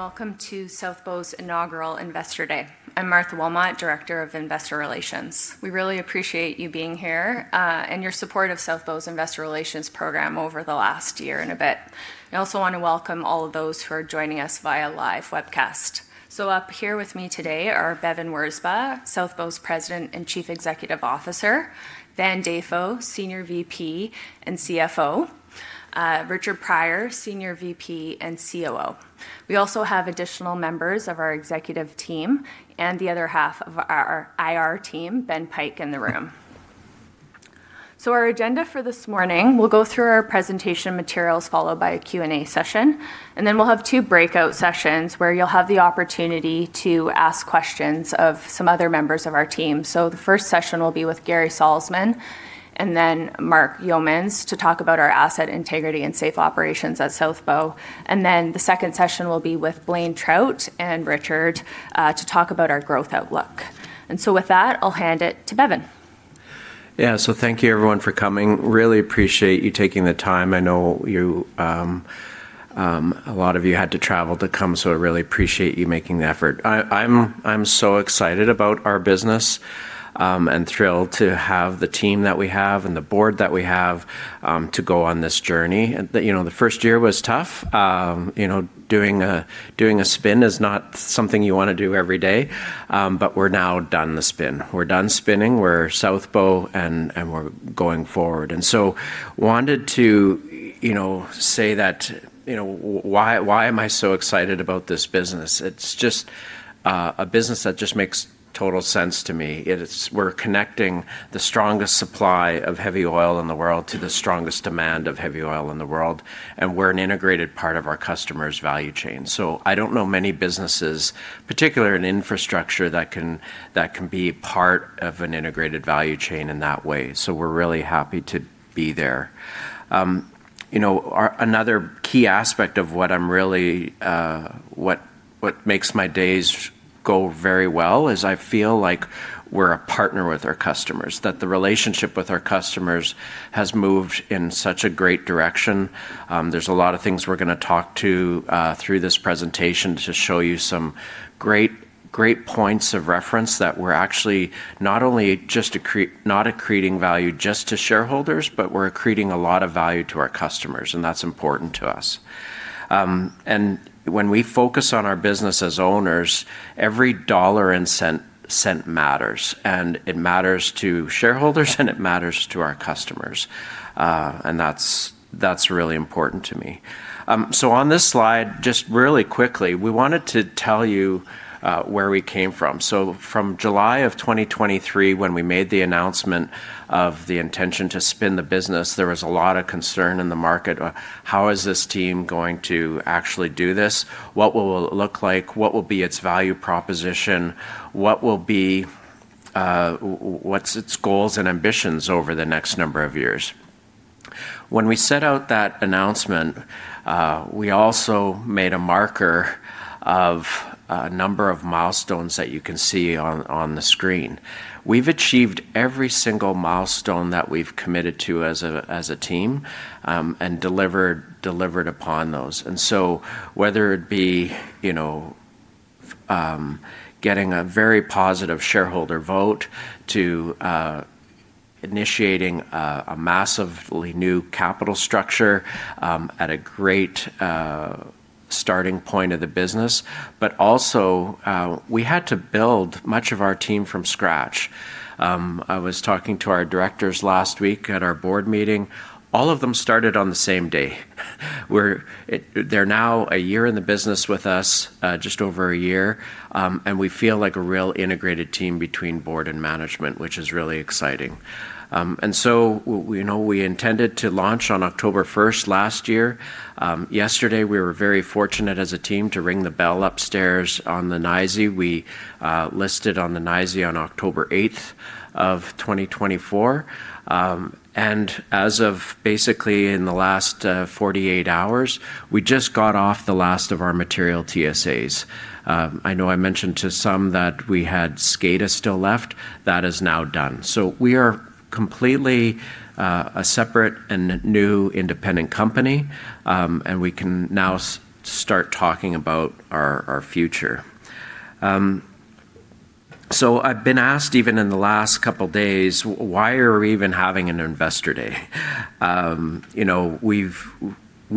Good morning, everyone, and welcome to South Bow's Inaugural Investor Day. I'm Martha Wilmot, Director of Investor Relations. We really appreciate you being here and your support of South Bow's Investor Relations program over the last year and a bit. I also want to welcome all of those who are joining us via live webcast. Up here with me today are Bevin Wirzba, South Bow's President and Chief Executive Officer; Van Dafoe, Senior Vice President and Chief Financial Officer; Richard Prior, Senior Vice President and Chief Operating Officer. We also have additional members of our executive team and the other half of our IR team, Ben Pike, in the room. Our agenda for this morning: we'll go through our presentation materials, followed by a Q&A session, and then we'll have two breakout sessions where you'll have the opportunity to ask questions of some other members of our team. The first session will be with Gary Salzman and then Mark Yeomans to talk about our asset integrity and safe operations at South Bow. The second session will be with Blaine Trout and Richard to talk about our growth outlook. With that, I'll hand it to Bevin. Thank you, everyone, for coming. Really appreciate you taking the time. I know a lot of you had to travel to come, so I really appreciate you making the effort. I'm so excited about our business and thrilled to have the team that we have and the board that we have to go on this journey. You know, the first year was tough. You know, doing a spin is not something you want to do every day, but we're now done the spin. We're done spinning. We're South Bow, and we're going forward. I wanted to, you know, say that, you know, why am I so excited about this business? It's just a business that just makes total sense to me. We're connecting the strongest supply of heavy oil in the world to the strongest demand of heavy oil in the world, and we're an integrated part of our customer's value chain. I don't know many businesses, particularly in infrastructure, that can be part of an integrated value chain in that way. We're really happy to be there. You know, another key aspect of what really makes my days go very well is I feel like we're a partner with our customers, that the relationship with our customers has moved in such a great direction. There's a lot of things we're going to talk through in this presentation to show you some great points of reference that we're actually not only just not accreting value just to shareholders, but we're accreting a lot of value to our customers, and that's important to us. When we focus on our business as owners, every dollar and cent matters, and it matters to shareholders, and it matters to our customers. That is really important to me. On this slide, just really quickly, we wanted to tell you where we came from. From July of 2023, when we made the announcement of the intention to spin the business, there was a lot of concern in the market. How is this team going to actually do this? What will it look like? What will be its value proposition? What will be its goals and ambitions over the next number of years? When we set out that announcement, we also made a marker of a number of milestones that you can see on the screen. We have achieved every single milestone that we have committed to as a team and delivered upon those. Whether it be, you know, getting a very positive shareholder vote to initiating a massively new capital structure at a great starting point of the business, we also had to build much of our team from scratch. I was talking to our directors last week at our board meeting. All of them started on the same day. They are now a year in the business with us, just over a year, and we feel like a real integrated team between board and management, which is really exciting. You know, we intended to launch on October 1st last year. Yesterday, we were very fortunate as a team to ring the bell upstairs on the NYSE. We listed on the NYSE on October 8th of 2024. As of basically in the last 48 hours, we just got off the last of our material TSAs. I know I mentioned to some that we had SCADA still left. That is now done. We are completely a separate and new independent company, and we can now start talking about our future. I have been asked even in the last couple of days, why are we even having an Investor Day? You know, we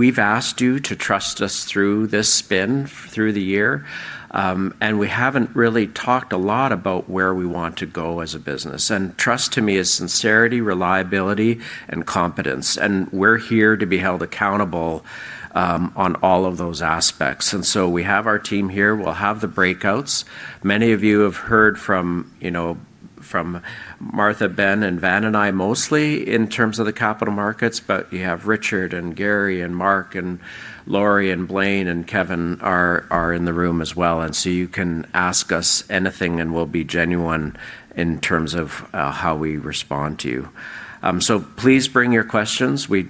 have asked you to trust us through this spin, through the year, and we have not really talked a lot about where we want to go as a business. Trust, to me, is sincerity, reliability, and competence. We are here to be held accountable on all of those aspects. We have our team here. We will have the breakouts. Many of you have heard from, you know, from Martha, Ben, and Van and I mostly in terms of the capital markets, but you have Richard and Gary and Mark and Laurie and Blaine and Kevin are in the room as well. You can ask us anything, and we'll be genuine in terms of how we respond to you. Please bring your questions. We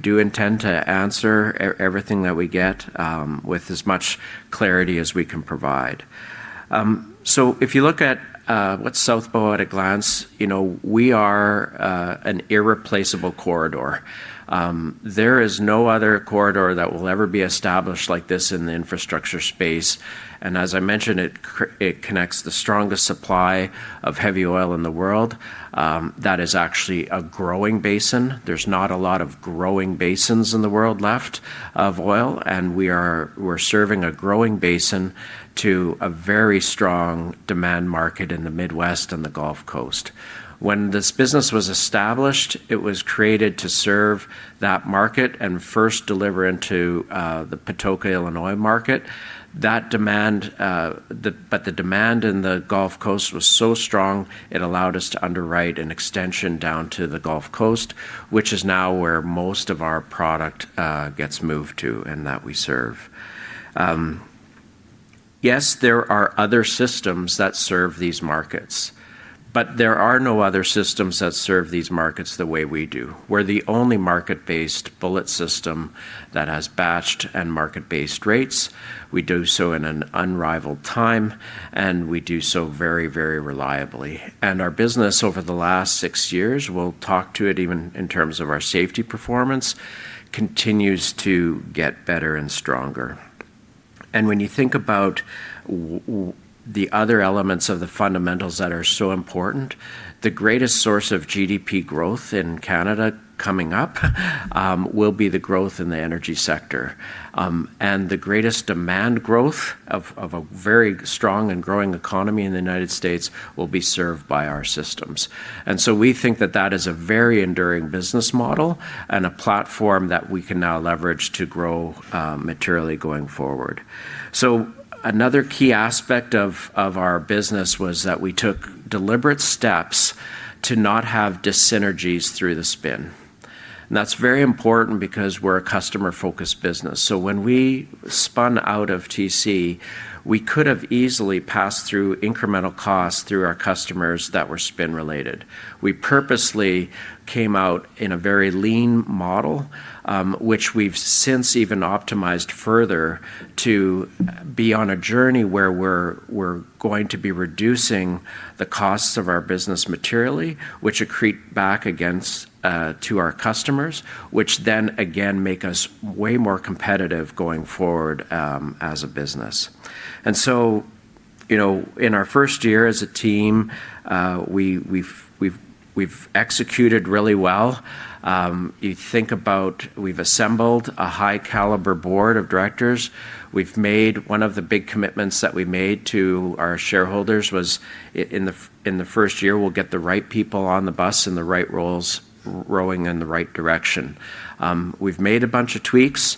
do intend to answer everything that we get with as much clarity as we can provide. If you look at what's South Bow at a glance, you know, we are an irreplaceable corridor. There is no other corridor that will ever be established like this in the infrastructure space. As I mentioned, it connects the strongest supply of heavy oil in the world. That is actually a growing basin. There's not a lot of growing basins in the world left of oil, and we are serving a growing basin to a very strong demand market in the Midwest and the Gulf Coast. When this business was established, it was created to serve that market and first deliver into the Patoka, Illinois market. That demand, but the demand in the Gulf Coast was so strong, it allowed us to underwrite an extension down to the Gulf Coast, which is now where most of our product gets moved to and that we serve. Yes, there are other systems that serve these markets, but there are no other systems that serve these markets the way we do. We're the only market-based bullet system that has batched and market-based rates. We do so in an unrivaled time, and we do so very, very reliably. Our business over the last six years, we'll talk to it even in terms of our safety performance, continues to get better and stronger. When you think about the other elements of the fundamentals that are so important, the greatest source of GDP growth in Canada coming up will be the growth in the energy sector. The greatest demand growth of a very strong and growing economy in the United States will be served by our systems. We think that that is a very enduring business model and a platform that we can now leverage to grow materially going forward. Another key aspect of our business was that we took deliberate steps to not have dyssynergies through the spin. That is very important because we're a customer-focused business. When we spun out of TC, we could have easily passed through incremental costs through our customers that were spin-related. We purposely came out in a very lean model, which we've since even optimized further to be on a journey where we're going to be reducing the costs of our business materially, which accrete back against to our customers, which then again make us way more competitive going forward as a business. You know, in our first year as a team, we've executed really well. You think about we've assembled a high-caliber board of directors. We've made one of the big commitments that we made to our shareholders was in the first year, we'll get the right people on the bus in the right roles rowing in the right direction. We've made a bunch of tweaks.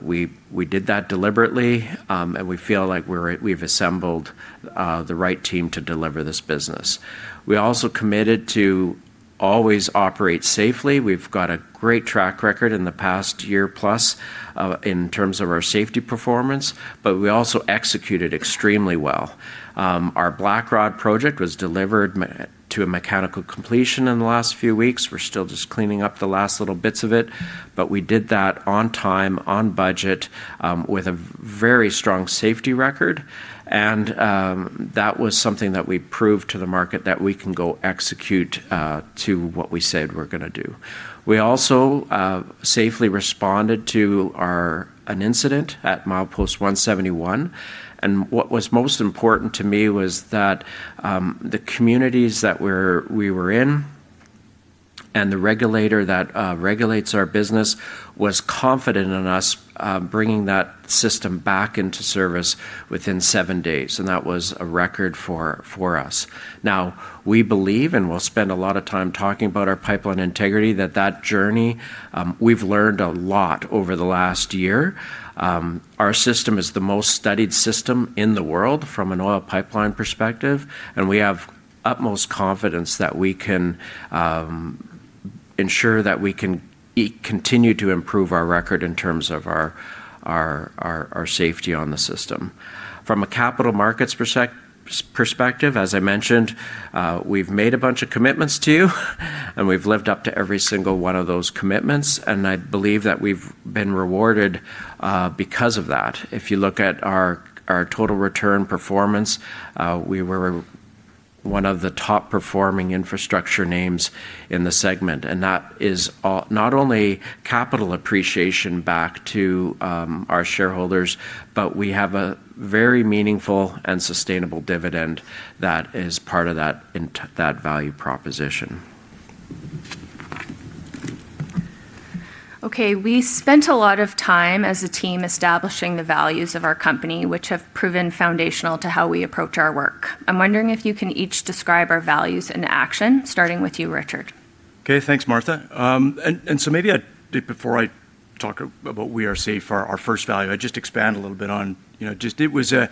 We did that deliberately, and we feel like we've assembled the right team to deliver this business. We also committed to always operate safely. We've got a great track record in the past year plus in terms of our safety performance, but we also executed extremely well. Our Blackrod project was delivered to a mechanical completion in the last few weeks. We're still just cleaning up the last little bits of it, but we did that on time, on budget, with a very strong safety record. That was something that we proved to the market that we can go execute to what we said we're going to do. We also safely responded to an incident at Milepost 171. What was most important to me was that the communities that we were in and the regulator that regulates our business was confident in us bringing that system back into service within seven days. That was a record for us. We believe, and we'll spend a lot of time talking about our pipeline integrity, that that journey, we've learned a lot over the last year. Our system is the most studied system in the world from an oil pipeline perspective, and we have utmost confidence that we can ensure that we can continue to improve our record in terms of our safety on the system. From a capital markets perspective, as I mentioned, we've made a bunch of commitments to, and we've lived up to every single one of those commitments. I believe that we've been rewarded because of that. If you look at our total return performance, we were one of the top-performing infrastructure names in the segment. That is not only capital appreciation back to our shareholders, but we have a very meaningful and sustainable dividend that is part of that value proposition. Okay. We spent a lot of time as a team establishing the values of our company, which have proven foundational to how we approach our work. I'm wondering if you can each describe our values in action, starting with you, Richard. Okay. Thanks, Martha. Maybe before I talk about what we are saying for our first value, I just expand a little bit on, you know, just it was a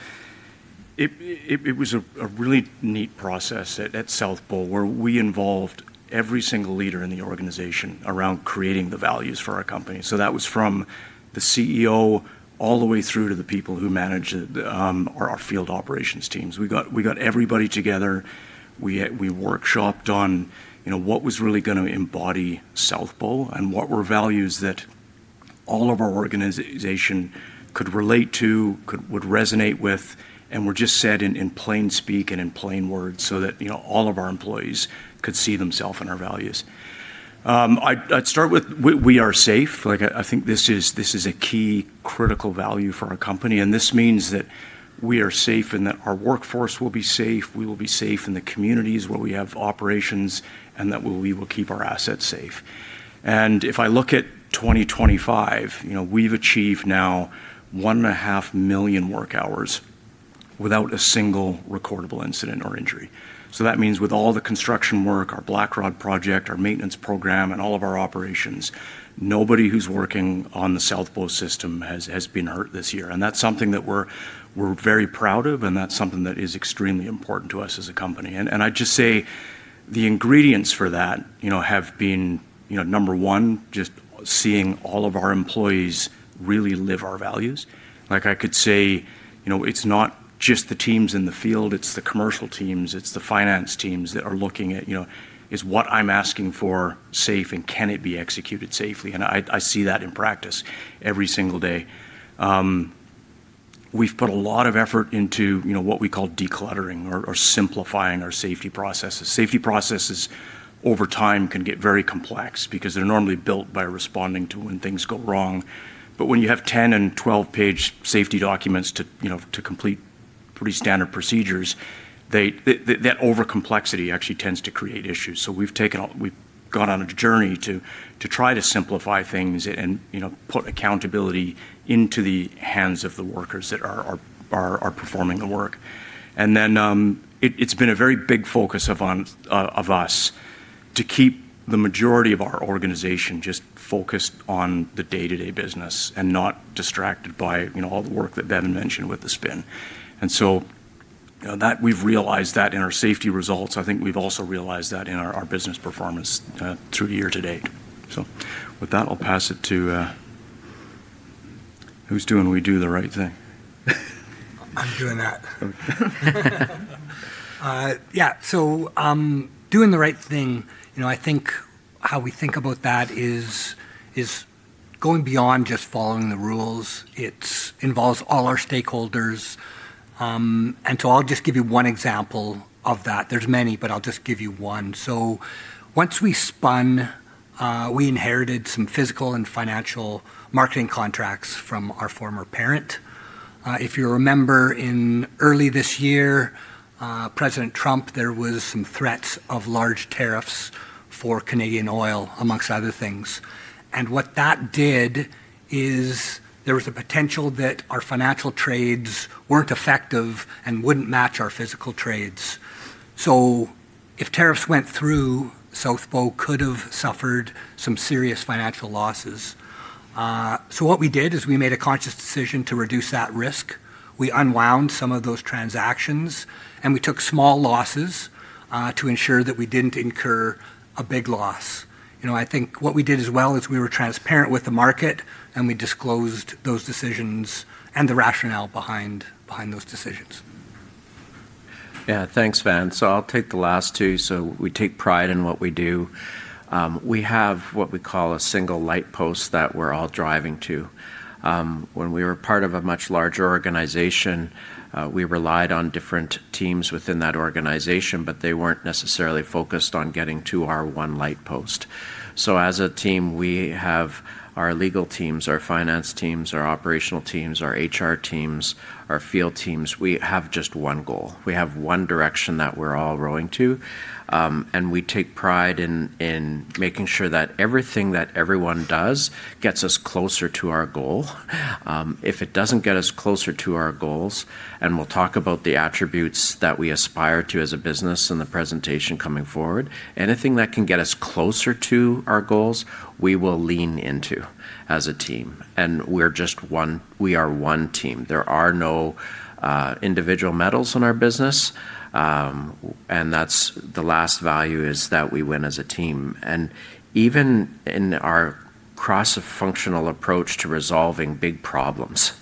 really neat process at South Bow where we involved every single leader in the organization around creating the values for our company. That was from the CEO all the way through to the people who manage our field operations teams. We got everybody together. We workshopped on, you know, what was really going to embody South Bow and what were values that all of our organization could relate to, could resonate with, and were just said in plain speak and in plain words so that, you know, all of our employees could see themselves in our values. I'd start with we are safe. Like, I think this is a key critical value for our company. This means that we are safe and that our workforce will be safe. We will be safe in the communities where we have operations and that we will keep our assets safe. If I look at 2025, you know, we've achieved now one and a half million work hours without a single recordable incident or injury. That means with all the construction work, our Blackrod project, our maintenance program, and all of our operations, nobody who's working on the South Bow system has been hurt this year. That's something that we're very proud of, and that's something that is extremely important to us as a company. I'd just say the ingredients for that, you know, have been, you know, number one, just seeing all of our employees really live our values. Like, I could say, you know, it's not just the teams in the field, it's the commercial teams, it's the finance teams that are looking at, you know, is what I'm asking for safe and can it be executed safely? I see that in practice every single day. We've put a lot of effort into, you know, what we call decluttering or simplifying our safety processes. Safety processes over time can get very complex because they're normally built by responding to when things go wrong. When you have 10 and 12-page safety documents to, you know, to complete pretty standard procedures, that over-complexity actually tends to create issues. We've taken, we've gone on a journey to try to simplify things and, you know, put accountability into the hands of the workers that are performing the work. It has been a very big focus of us to keep the majority of our organization just focused on the day-to-day business and not distracted by, you know, all the work that Van mentioned with the spin. We have realized that in our safety results, I think we have also realized that in our business performance through year to date. With that, I will pass it to who is doing we do the right thing. I'm doing that. Yeah. Doing the right thing, you know, I think how we think about that is going beyond just following the rules. It involves all our stakeholders. I'll just give you one example of that. There's many, but I'll just give you one. Once we spun, we inherited some physical and financial marketing contracts from our former parent. If you remember in early this year, President Trump, there were some threats of large tariffs for Canadian oil, amongst other things. What that did is there was a potential that our financial trades weren't effective and wouldn't match our physical trades. If tariffs went through, South Bow could have suffered some serious financial losses. What we did is we made a conscious decision to reduce that risk. We unwound some of those transactions, and we took small losses to ensure that we did not incur a big loss. You know, I think what we did as well is we were transparent with the market, and we disclosed those decisions and the rationale behind those decisions. Yeah. Thanks, Van. I'll take the last two. We take pride in what we do. We have what we call a single light post that we're all driving to. When we were part of a much larger organization, we relied on different teams within that organization, but they weren't necessarily focused on getting to our one light post. As a team, we have our legal teams, our finance teams, our operational teams, our HR teams, our field teams. We have just one goal. We have one direction that we're all rowing to. We take pride in making sure that everything that everyone does gets us closer to our goal. If it doesn't get us closer to our goals, and we'll talk about the attributes that we aspire to as a business in the presentation coming forward, anything that can get us closer to our goals, we will lean into as a team. We are just one, we are one team. There are no individual medals in our business. That's the last value, that we win as a team. Even in our cross-functional approach to resolving big problems,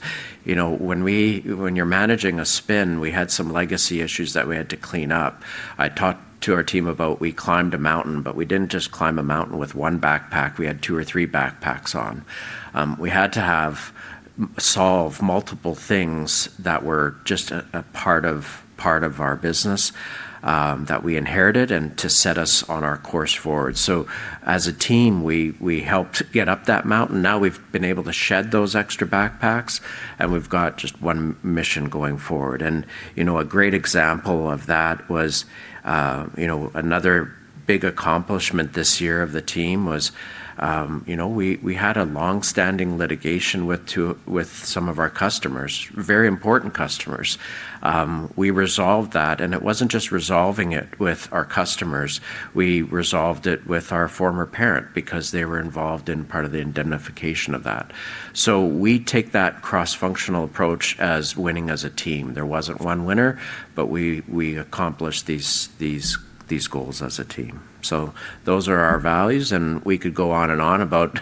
you know, when you're managing a spin, we had some legacy issues that we had to clean up. I talked to our team about we climbed a mountain, but we didn't just climb a mountain with one backpack. We had two or three backpacks on. We had to solve multiple things that were just a part of our business that we inherited and to set us on our course forward. As a team, we helped get up that mountain. Now we've been able to shed those extra backpacks, and we've got just one mission going forward. You know, a great example of that was, you know, another big accomplishment this year of the team was, you know, we had a long-standing litigation with some of our customers, very important customers. We resolved that. It wasn't just resolving it with our customers. We resolved it with our former parent because they were involved in part of the indemnification of that. We take that cross-functional approach as winning as a team. There wasn't one winner, but we accomplished these goals as a team. Those are our values. We could go on and on about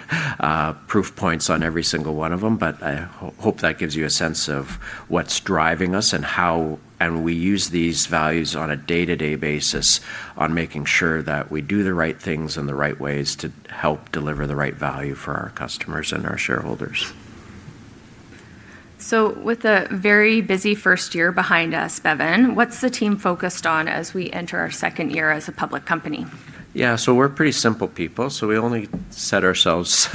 proof points on every single one of them, but I hope that gives you a sense of what's driving us and how we use these values on a day-to-day basis on making sure that we do the right things in the right ways to help deliver the right value for our customers and our shareholders. With a very busy first year behind us, Bevin, what's the team focused on as we enter our second year as a public company? Yeah. We are pretty simple people. We only set ourselves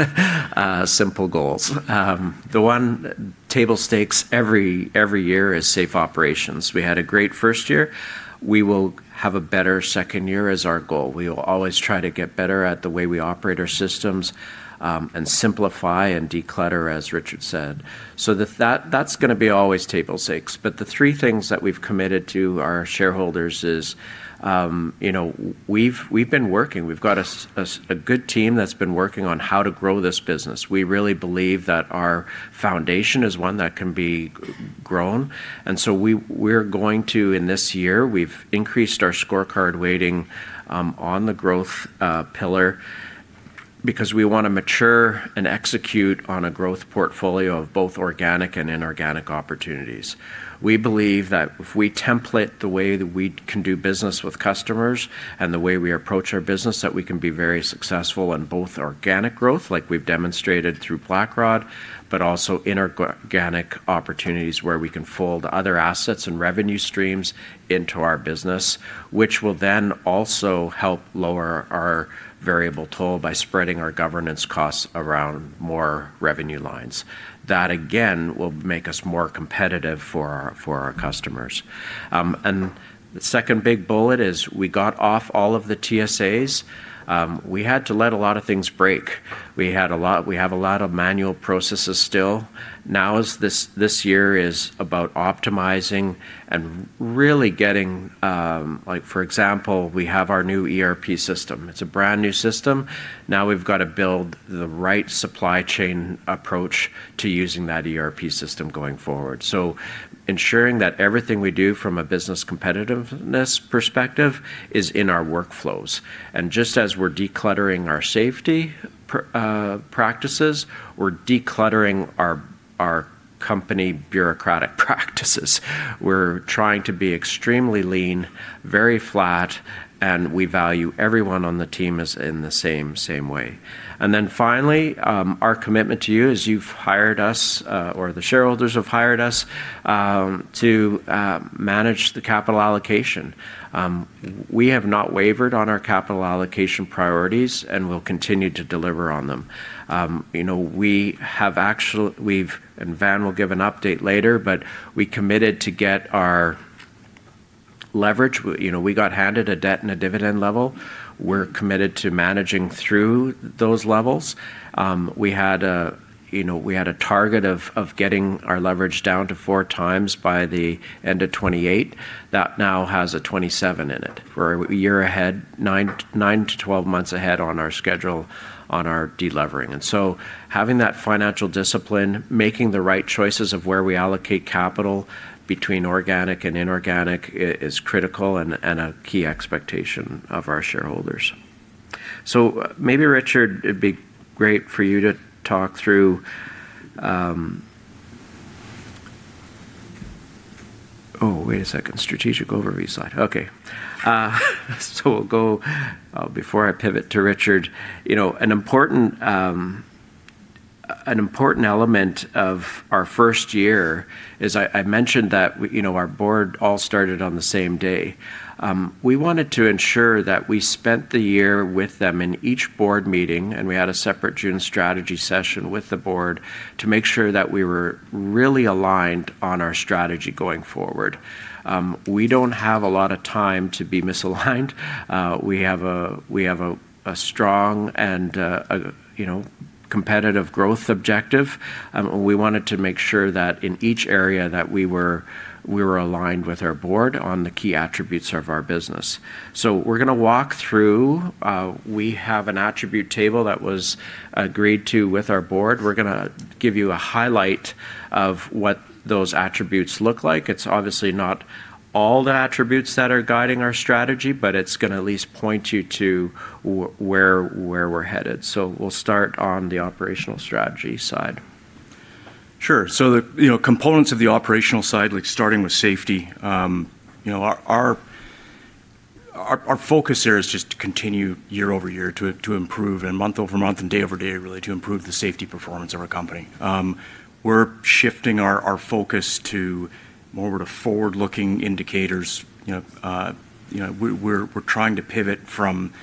simple goals. The one table stakes every year is safe operations. We had a great first year. We will have a better second year as our goal. We will always try to get better at the way we operate our systems and simplify and declutter, as Richard said. That is going to be always table stakes. The three things that we have committed to our shareholders is, you know, we have been working. We have got a good team that has been working on how to grow this business. We really believe that our foundation is one that can be grown. We are going to, in this year, we have increased our scorecard weighting on the growth pillar because we want to mature and execute on a growth portfolio of both organic and inorganic opportunities. We believe that if we template the way that we can do business with customers and the way we approach our business, we can be very successful in both organic growth, like we've demonstrated through Blackrod, but also inorganic opportunities where we can fold other assets and revenue streams into our business, which will then also help lower our variable toll by spreading our governance costs around more revenue lines. That again will make us more competitive for our customers. The second big bullet is we got off all of the TSAs. We had to let a lot of things break. We have a lot of manual processes still. Now, this year is about optimizing and really getting, like, for example, we have our new ERP system. It's a brand new system. Now we've got to build the right supply chain approach to using that ERP system going forward. Ensuring that everything we do from a business competitiveness perspective is in our workflows. Just as we're decluttering our safety practices, we're decluttering our company bureaucratic practices. We're trying to be extremely lean, very flat, and we value everyone on the team in the same way. Finally, our commitment to you is you've hired us, or the shareholders have hired us to manage the capital allocation. We have not wavered on our capital allocation priorities and will continue to deliver on them. You know, we have actually, we've, and Van will give an update later, but we committed to get our leverage. You know, we got handed a debt and a dividend level. We're committed to managing through those levels. We had a, you know, we had a target of getting our leverage down to four times by the end of 2028. That now has a 2027 in it. We're a year ahead, nine to twelve months ahead on our schedule on our delevering. Having that financial discipline, making the right choices of where we allocate capital between organic and inorganic is critical and a key expectation of our shareholders. Maybe, Richard, it'd be great for you to talk through, oh, wait a second, strategic overview slide. Okay. Before I pivot to Richard, you know, an important element of our first year is I mentioned that, you know, our board all started on the same day. We wanted to ensure that we spent the year with them in each board meeting, and we had a separate June strategy session with the board to make sure that we were really aligned on our strategy going forward. We do not have a lot of time to be misaligned. We have a strong and, you know, competitive growth objective. We wanted to make sure that in each area that we were aligned with our board on the key attributes of our business. We are going to walk through. We have an attribute table that was agreed to with our board. We are going to give you a highlight of what those attributes look like. It is obviously not all the attributes that are guiding our strategy, but it is going to at least point you to where we are headed. We will start on the operational strategy side. Sure. The, you know, components of the operational side, like starting with safety, you know, our focus there is just to continue year over year to improve and month over month and day over day, really, to improve the safety performance of our company. We're shifting our focus to more forward-looking indicators. You know, we're trying to pivot from,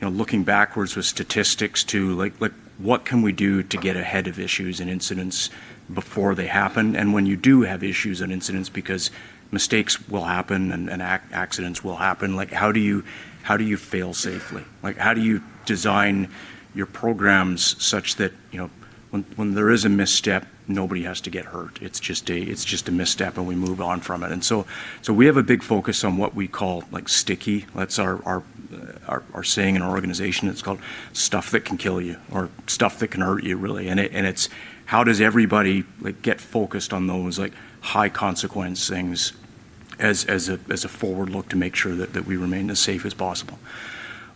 you know, looking backwards with statistics to, like, what can we do to get ahead of issues and incidents before they happen? When you do have issues and incidents, because mistakes will happen and accidents will happen, like, how do you fail safely? Like, how do you design your programs such that, you know, when there is a misstep, nobody has to get hurt. It's just a misstep and we move on from it. We have a big focus on what we call, like, sticky. That's our saying in our organization. It's called stuff that can kill you or stuff that can hurt you, really. It's how does everybody, like, get focused on those, like, high-consequence things as a forward look to make sure that we remain as safe as possible.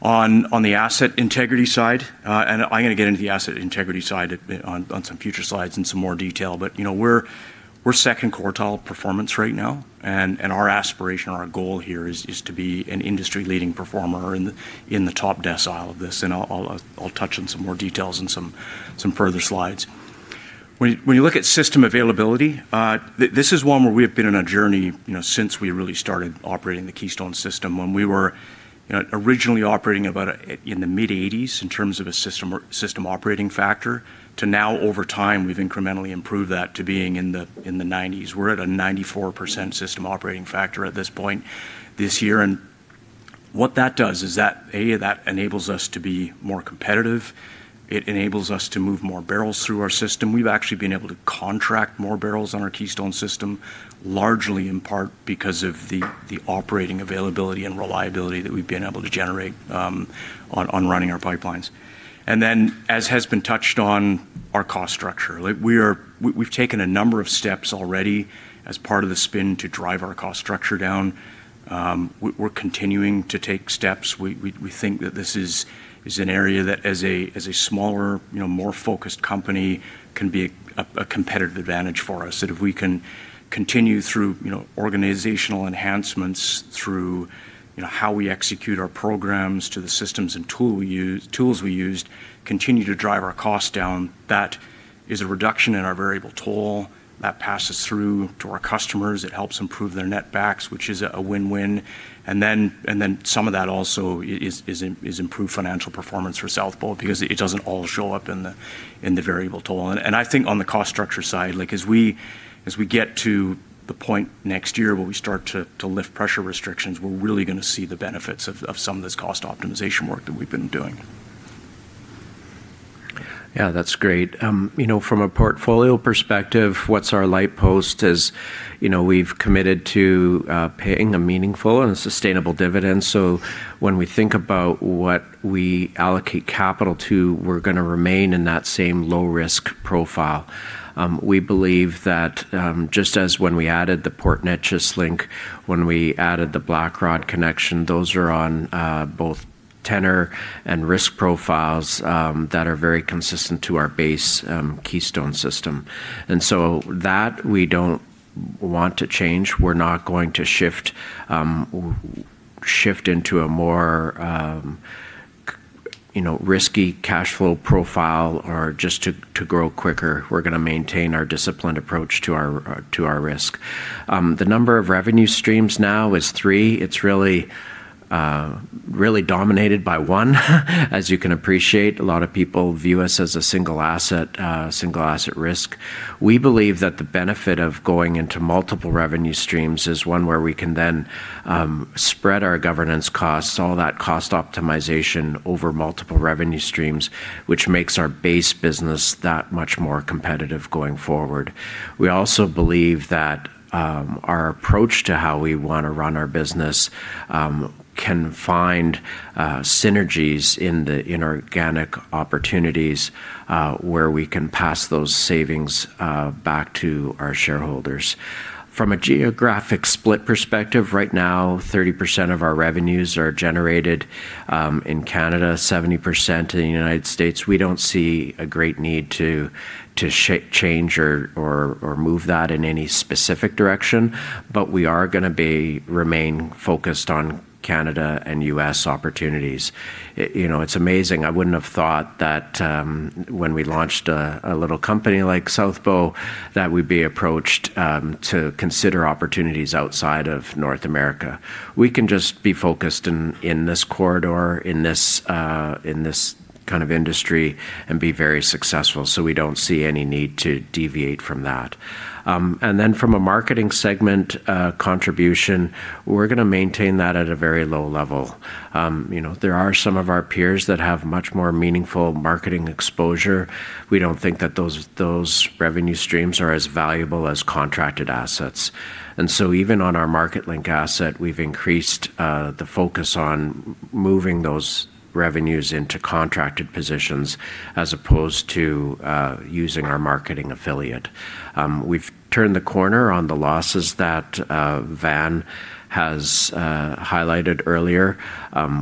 On the asset integrity side, and I'm going to get into the asset integrity side on some future slides in some more detail, but, you know, we're second quartile performance right now. Our aspiration, our goal here is to be an industry-leading performer in the top decile of this. I'll touch on some more details in some further slides. When you look at system availability, this is one where we have been on a journey, you know, since we really started operating the Keystone system. When we were originally operating about in the mid-80s in terms of a system operating factor, to now, over time, we've incrementally improved that to being in the 90s. We're at a 94% system operating factor at this point this year. What that does is that, A, that enables us to be more competitive. It enables us to move more barrels through our system. We've actually been able to contract more barrels on our Keystone system, largely in part because of the operating availability and reliability that we've been able to generate on running our pipelines. As has been touched on, our cost structure. We've taken a number of steps already as part of the spin to drive our cost structure down. We're continuing to take steps. We think that this is an area that, as a smaller, you know, more focused company, can be a competitive advantage for us. That if we can continue through, you know, organizational enhancements through, you know, how we execute our programs to the systems and tools we use, continue to drive our cost down, that is a reduction in our variable toll. That passes through to our customers. It helps improve their netbacks, which is a win-win. Some of that also is improved financial performance for South Bow because it does not all show up in the variable toll. I think on the cost structure side, like, as we get to the point next year where we start to lift pressure restrictions, we are really going to see the benefits of some of this cost optimization work that we have been doing. Yeah, that's great. You know, from a portfolio perspective, what's our light post is, you know, we've committed to paying a meaningful and sustainable dividend. When we think about what we allocate capital to, we're going to remain in that same low-risk profile. We believe that just as when we added the Port Neches Link, when we added the Blackrod Connection Project, those are on both tenor and risk profiles that are very consistent to our base Keystone system. That we don't want to change. We're not going to shift into a more, you know, risky cash flow profile or just to grow quicker. We're going to maintain our disciplined approach to our risk. The number of revenue streams now is three. It's really dominated by one, as you can appreciate. A lot of people view us as a single asset, single asset risk. We believe that the benefit of going into multiple revenue streams is one where we can then spread our governance costs, all that cost optimization over multiple revenue streams, which makes our base business that much more competitive going forward. We also believe that our approach to how we want to run our business can find synergies in the inorganic opportunities where we can pass those savings back to our shareholders. From a geographic split perspective, right now, 30% of our revenues are generated in Canada, 70% in the United States. We do not see a great need to change or move that in any specific direction, but we are going to remain focused on Canada and U.S. opportunities. You know, it is amazing. I would not have thought that when we launched a little company like South Bow, that we would be approached to consider opportunities outside of North America. We can just be focused in this corridor, in this kind of industry, and be very successful. We do not see any need to deviate from that. From a marketing segment contribution, we are going to maintain that at a very low level. You know, there are some of our peers that have much more meaningful marketing exposure. We do not think that those revenue streams are as valuable as contracted assets. Even on our Marketlink asset, we have increased the focus on moving those revenues into contracted positions as opposed to using our marketing affiliate. We have turned the corner on the losses that Van has highlighted earlier.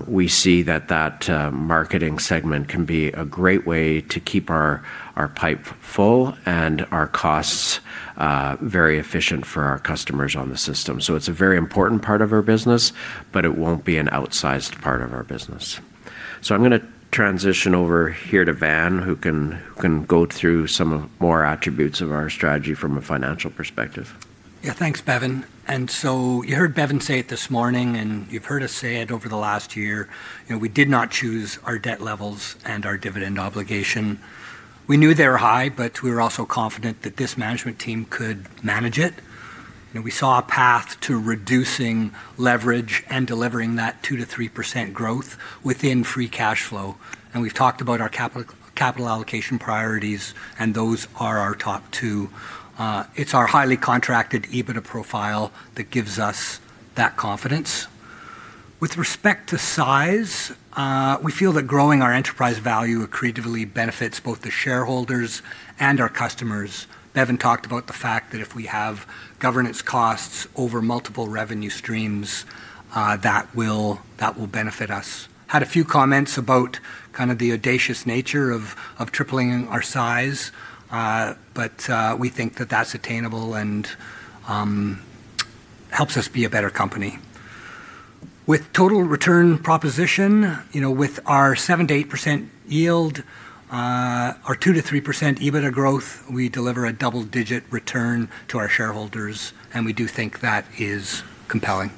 We see that that marketing segment can be a great way to keep our pipe full and our costs very efficient for our customers on the system. It is a very important part of our business, but it will not be an outsized part of our business. I am going to transition over here to Van, who can go through some more attributes of our strategy from a financial perspective. Yeah, thanks, Bevin. You heard Bevin say it this morning, and you've heard us say it over the last year. You know, we did not choose our debt levels and our dividend obligation. We knew they were high, but we were also confident that this management team could manage it. You know, we saw a path to reducing leverage and delivering that 2%-3% growth within free cash flow. We've talked about our capital allocation priorities, and those are our top two. It's our highly contracted EBITDA profile that gives us that confidence. With respect to size, we feel that growing our enterprise value accretively benefits both the shareholders and our customers. Bevin talked about the fact that if we have governance costs over multiple revenue streams, that will benefit us. Had a few comments about kind of the audacious nature of tripling our size, but we think that that's attainable and helps us be a better company. With total return proposition, you know, with our 7%-8% yield, our 2%-3% EBITDA growth, we deliver a double-digit return to our shareholders, and we do think that is compelling.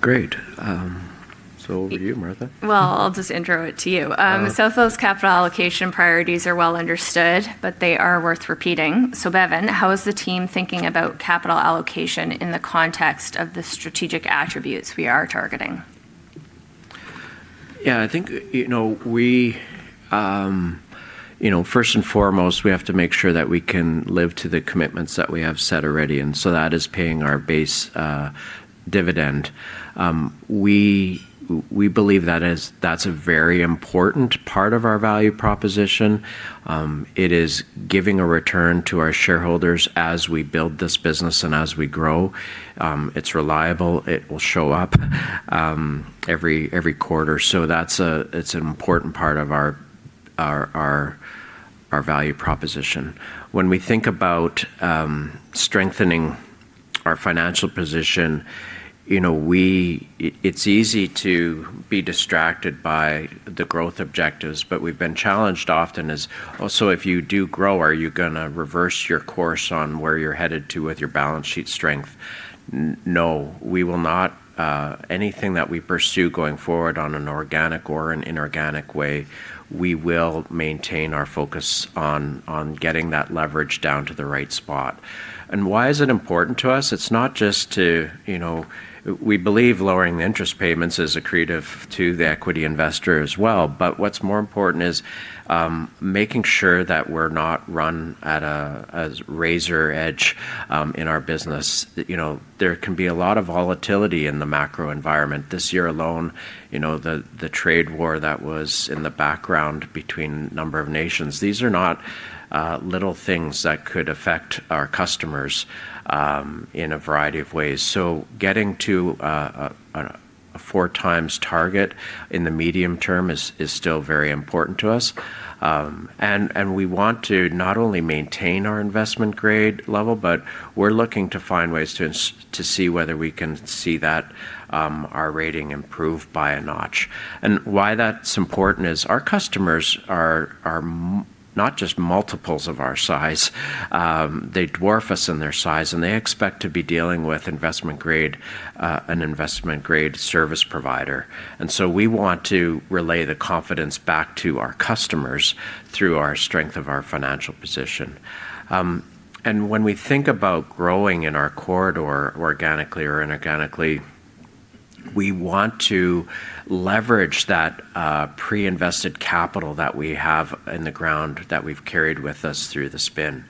Great. Over to you, Martha. I'll just intro it to you. South Bow's capital allocation priorities are well understood, but they are worth repeating. Bevin, how is the team thinking about capital allocation in the context of the strategic attributes we are targeting? Yeah, I think, you know, we, you know, first and foremost, we have to make sure that we can live to the commitments that we have set already. That is paying our base dividend. We believe that that's a very important part of our value proposition. It is giving a return to our shareholders as we build this business and as we grow. It's reliable. It will show up every quarter. That is an important part of our value proposition. When we think about strengthening our financial position, you know, it's easy to be distracted by the growth objectives, but we've been challenged often as, oh, so if you do grow, are you going to reverse your course on where you're headed to with your balance sheet strength? No, we will not. Anything that we pursue going forward in an organic or an inorganic way, we will maintain our focus on getting that leverage down to the right spot. Why is it important to us? It is not just to, you know, we believe lowering the interest payments is accretive to the equity investor as well, but what is more important is making sure that we are not run at a razor edge in our business. You know, there can be a lot of volatility in the macro environment. This year alone, you know, the trade war that was in the background between a number of nations, these are not little things that could affect our customers in a variety of ways. Getting to a four-times target in the medium term is still very important to us. We want to not only maintain our investment grade level, but we are looking to find ways to see whether we can see our rating improve by a notch. Why that is important is our customers are not just multiples of our size. They dwarf us in their size, and they expect to be dealing with an investment-grade service provider. We want to relay the confidence back to our customers through the strength of our financial position. When we think about growing in our corridor, organically or inorganically, we want to leverage that pre-invested capital that we have in the ground that we have carried with us through the spin.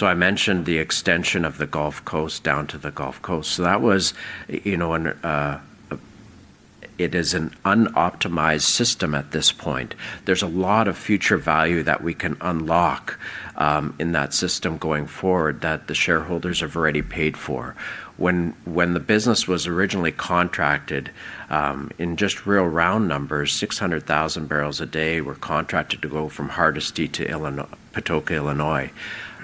I mentioned the extension of the Gulf Coast down to the Gulf Coast. That was, you know, it is an unoptimized system at this point. There's a lot of future value that we can unlock in that system going forward that the shareholders have already paid for. When the business was originally contracted, in just real round numbers, 600,000 barrels a day were contracted to go from Hardisty to Patoka, Illinois.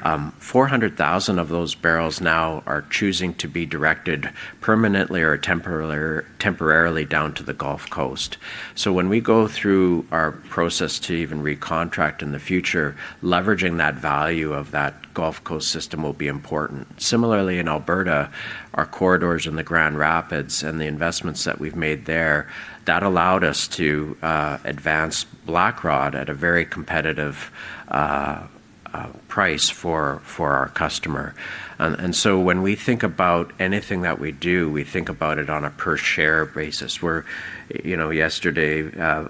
400,000 of those barrels now are choosing to be directed permanently or temporarily down to the Gulf Coast. When we go through our process to even recontract in the future, leveraging that value of that Gulf Coast system will be important. Similarly, in Alberta, our corridors in the Grand Rapids and the investments that we've made there, that allowed us to advance Blackrod at a very competitive price for our customer. When we think about anything that we do, we think about it on a per-share basis. Yesterday,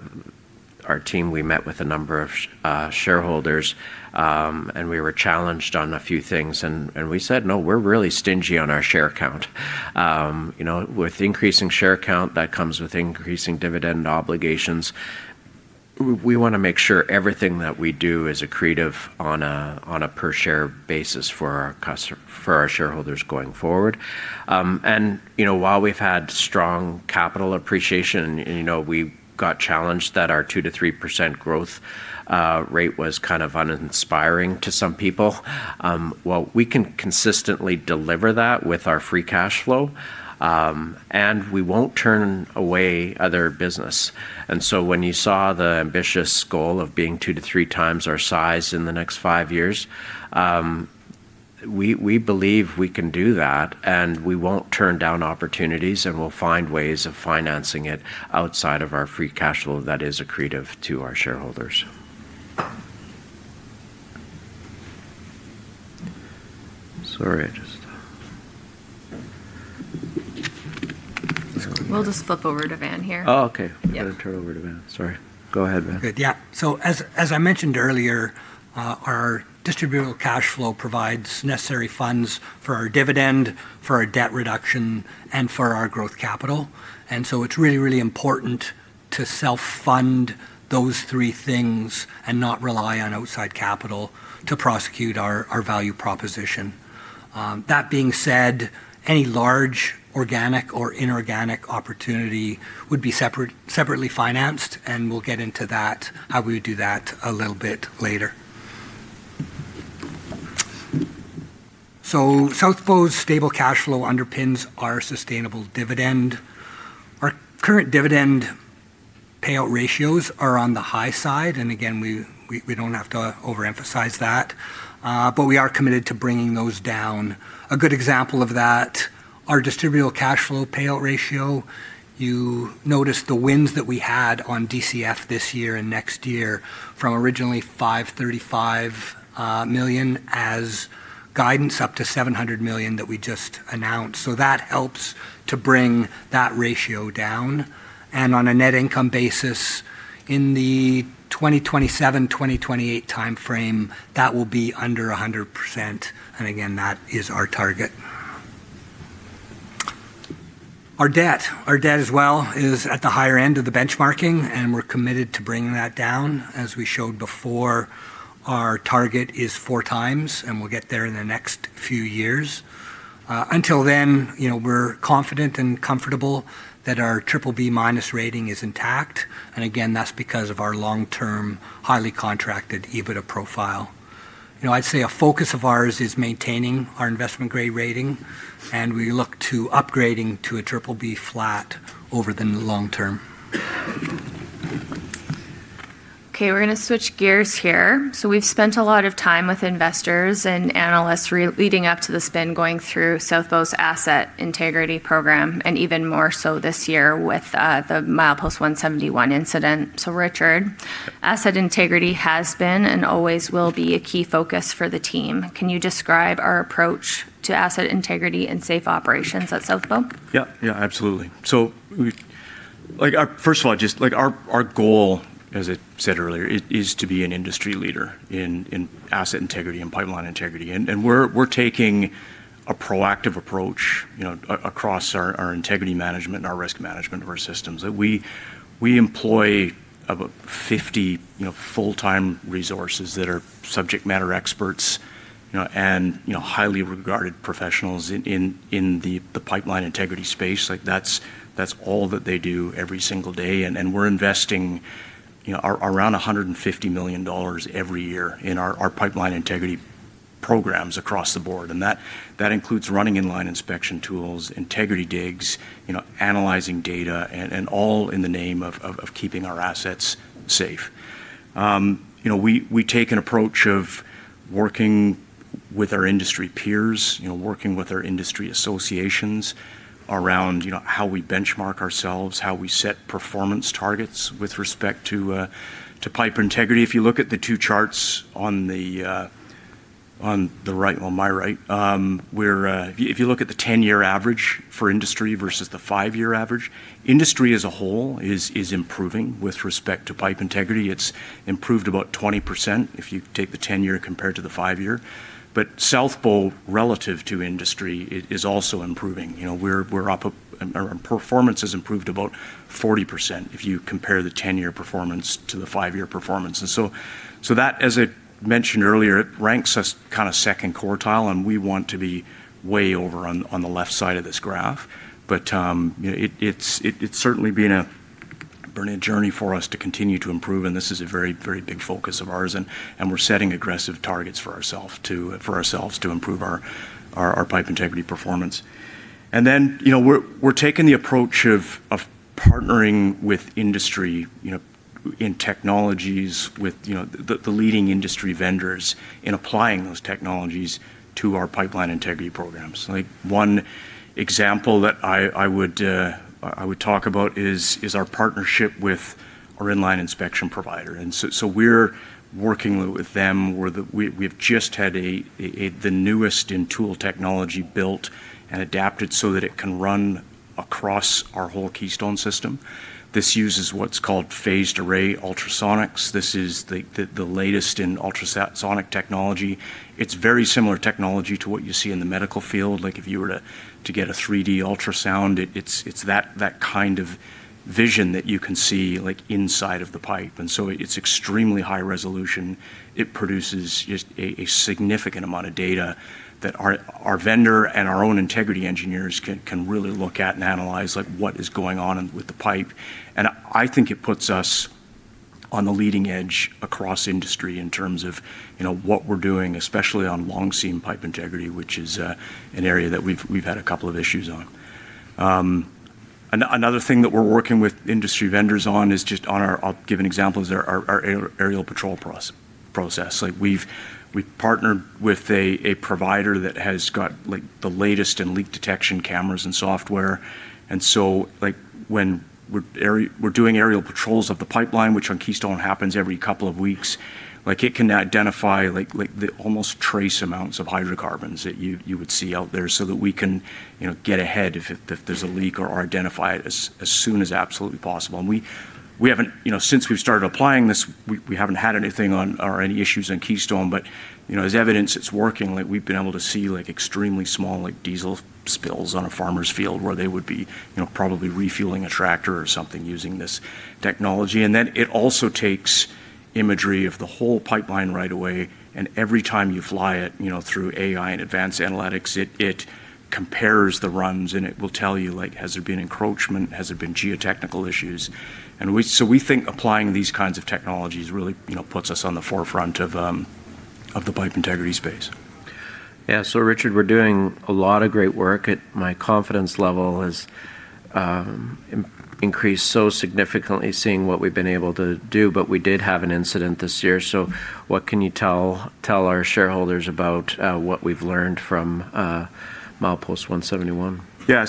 our team, we met with a number of shareholders, and we were challenged on a few things. We said, no, we're really stingy on our share count. You know, with increasing share count, that comes with increasing dividend obligations. We want to make sure everything that we do is accretive on a per-share basis for our shareholders going forward. You know, while we've had strong capital appreciation, you know, we got challenged that our 2%-3% growth rate was kind of uninspiring to some people. We can consistently deliver that with our free cash flow, and we won't turn away other business. When you saw the ambitious goal of being 2-3 times our size in the next five years, we believe we can do that, and we will not turn down opportunities, and we will find ways of financing it outside of our free cash flow that is accretive to our shareholders. Sorry, I just. We'll just flip over to Van here. Oh, okay. I'm going to turn over to Van. Sorry. Go ahead, Van. Good. Yeah. As I mentioned earlier, our distributable cash flow provides necessary funds for our dividend, for our debt reduction, and for our growth capital. It is really, really important to self-fund those three things and not rely on outside capital to prosecute our value proposition. That being said, any large organic or inorganic opportunity would be separately financed, and we will get into that, how we would do that a little bit later. South Bow's stable cash flow underpins our sustainable dividend. Our current dividend payout ratios are on the high side, and again, we do not have to overemphasize that, but we are committed to bringing those down. A good example of that, our distributable cash flow payout ratio, you notice the wins that we had on DCF this year and next year from originally $535 million as guidance up to $700 million that we just announced. That helps to bring that ratio down. On a net income basis, in the 2027-2028 timeframe, that will be under 100%. Again, that is our target. Our debt as well is at the higher end of the benchmarking, and we're committed to bringing that down. As we showed before, our target is four times, and we'll get there in the next few years. Until then, you know, we're confident and comfortable that our BBB- rating is intact. Again, that's because of our long-term highly contracted EBITDA profile. You know, I'd say a focus of ours is maintaining our investment grade rating, and we look to upgrading to a BBB flat over the long term. Okay, we're going to switch gears here. We've spent a lot of time with investors and analysts leading up to the spin going through South Bow's asset integrity program, and even more so this year with the Milepost 171 incident. Richard, asset integrity has been and always will be a key focus for the team. Can you describe our approach to asset integrity and safe operations at South Bow? Yeah, yeah, absolutely. Like our, first of all, just like our goal, as I said earlier, is to be an industry leader in asset integrity and pipeline integrity. We're taking a proactive approach, you know, across our integrity management and our risk management of our systems. We employ about 50 full-time resources that are subject matter experts, you know, and highly regarded professionals in the pipeline integrity space. Like that's all that they do every single day. We're investing, you know, around $150 million every year in our pipeline integrity programs across the board. That includes running inline inspection tools, integrity digs, you know, analyzing data, and all in the name of keeping our assets safe. You know, we take an approach of working with our industry peers, you know, working with our industry associations around, you know, how we benchmark ourselves, how we set performance targets with respect to pipe integrity. If you look at the two charts on the right, my right, if you look at the 10-year average for industry versus the 5-year average, industry as a whole is improving with respect to pipe integrity. It has improved about 20% if you take the 10-year compared to the 5-year. South Bow, relative to industry, is also improving. You know, performance has improved about 40% if you compare the 10-year performance to the 5-year performance. That, as I mentioned earlier, ranks us kind of second quartile, and we want to be way over on the left side of this graph. It's certainly been a journey for us to continue to improve, and this is a very, very big focus of ours. We're setting aggressive targets for ourselves to improve our pipe integrity performance. You know, we're taking the approach of partnering with industry, you know, in technologies with, you know, the leading industry vendors in applying those technologies to our pipeline integrity programs. One example that I would talk about is our partnership with our inline inspection provider. We're working with them. We've just had the newest in tool technology built and adapted so that it can run across our whole Keystone system. This uses what's called phased array ultrasonics. This is the latest in ultrasonic technology. It's very similar technology to what you see in the medical field. Like if you were to get a 3D ultrasound, it's that kind of vision that you can see like inside of the pipe. It's extremely high resolution. It produces just a significant amount of data that our vendor and our own integrity engineers can really look at and analyze like what is going on with the pipe. I think it puts us on the leading edge across industry in terms of, you know, what we're doing, especially on long seam pipe integrity, which is an area that we've had a couple of issues on. Another thing that we're working with industry vendors on is just on our, I'll give an example of our aerial patrol process. We've partnered with a provider that has got like the latest in leak detection cameras and software. Like when we're doing aerial patrols of the pipeline, which on Keystone happens every couple of weeks, it can identify almost trace amounts of hydrocarbons that you would see out there so that we can, you know, get ahead if there's a leak or identify it as soon as absolutely possible. We haven't, you know, since we've started applying this, we haven't had anything or any issues on Keystone, but, you know, as evidence, it's working. We've been able to see extremely small diesel spills on a farmer's field where they would be, you know, probably refueling a tractor or something using this technology. It also takes imagery of the whole pipeline right away. Every time you fly it, you know, through AI and advanced analytics, it compares the runs, and it will tell you, like, has there been encroachment? Has there been geotechnical issues? We think applying these kinds of technologies really, you know, puts us on the forefront of the pipe integrity space. Yeah. Richard, we're doing a lot of great work. My confidence level has increased so significantly seeing what we've been able to do, but we did have an incident this year. What can you tell our shareholders about what we've learned from Milepost 171? Yeah.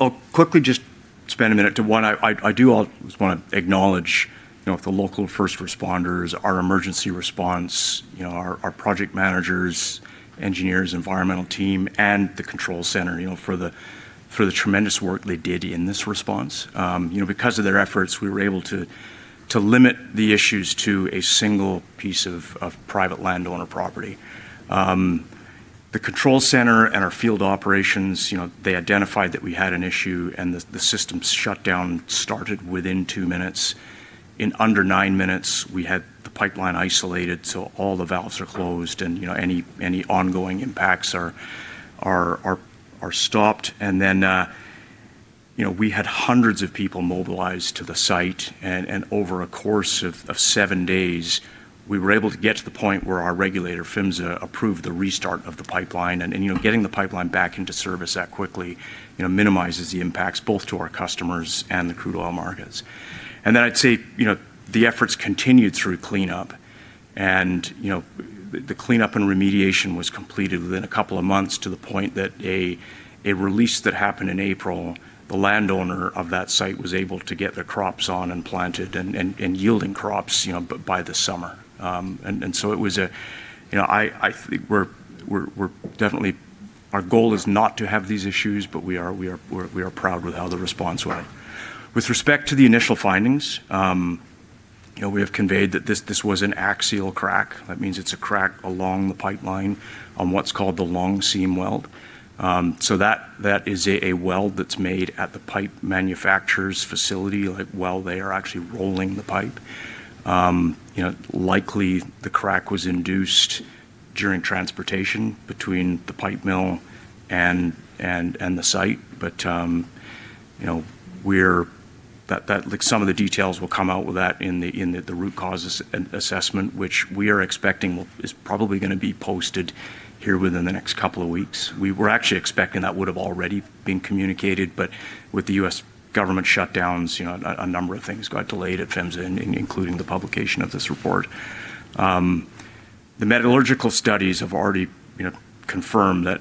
I'll quickly just spend a minute to one. I do want to acknowledge, you know, the local first responders, our emergency response, you know, our project managers, engineers, environmental team, and the control center, you know, for the tremendous work they did in this response. You know, because of their efforts, we were able to limit the issues to a single piece of private landowner property. The control center and our field operations, you know, they identified that we had an issue, and the system shut down started within two minutes. In under nine minutes, we had the pipeline isolated, so all the valves are closed, and, you know, any ongoing impacts are stopped. You know, we had hundreds of people mobilized to the site, and over a course of seven days, we were able to get to the point where our regulator, PHMSA, approved the restart of the pipeline. You know, getting the pipeline back into service that quickly minimizes the impacts both to our customers and the crude oil markets. I'd say the efforts continued through cleanup, and the cleanup and remediation was completed within a couple of months to the point that a release that happened in April, the landowner of that site was able to get their crops on and planted and yielding crops by the summer. It was a, you know, I think we're definitely, our goal is not to have these issues, but we are proud with how the response went. With respect to the initial findings, you know, we have conveyed that this was an axial crack. That means it's a crack along the pipeline on what's called the long seam weld. That is a weld that's made at the pipe manufacturer's facility, like while they are actually rolling the pipe. You know, likely the crack was induced during transportation between the pipe mill and the site. You know, some of the details will come out with that in the root causes assessment, which we are expecting is probably going to be posted here within the next couple of weeks. We were actually expecting that would have already been communicated, but with the U.S. government shutdowns, you know, a number of things got delayed at PHMSA, including the publication of this report. The metallurgical studies have already, you know, confirmed that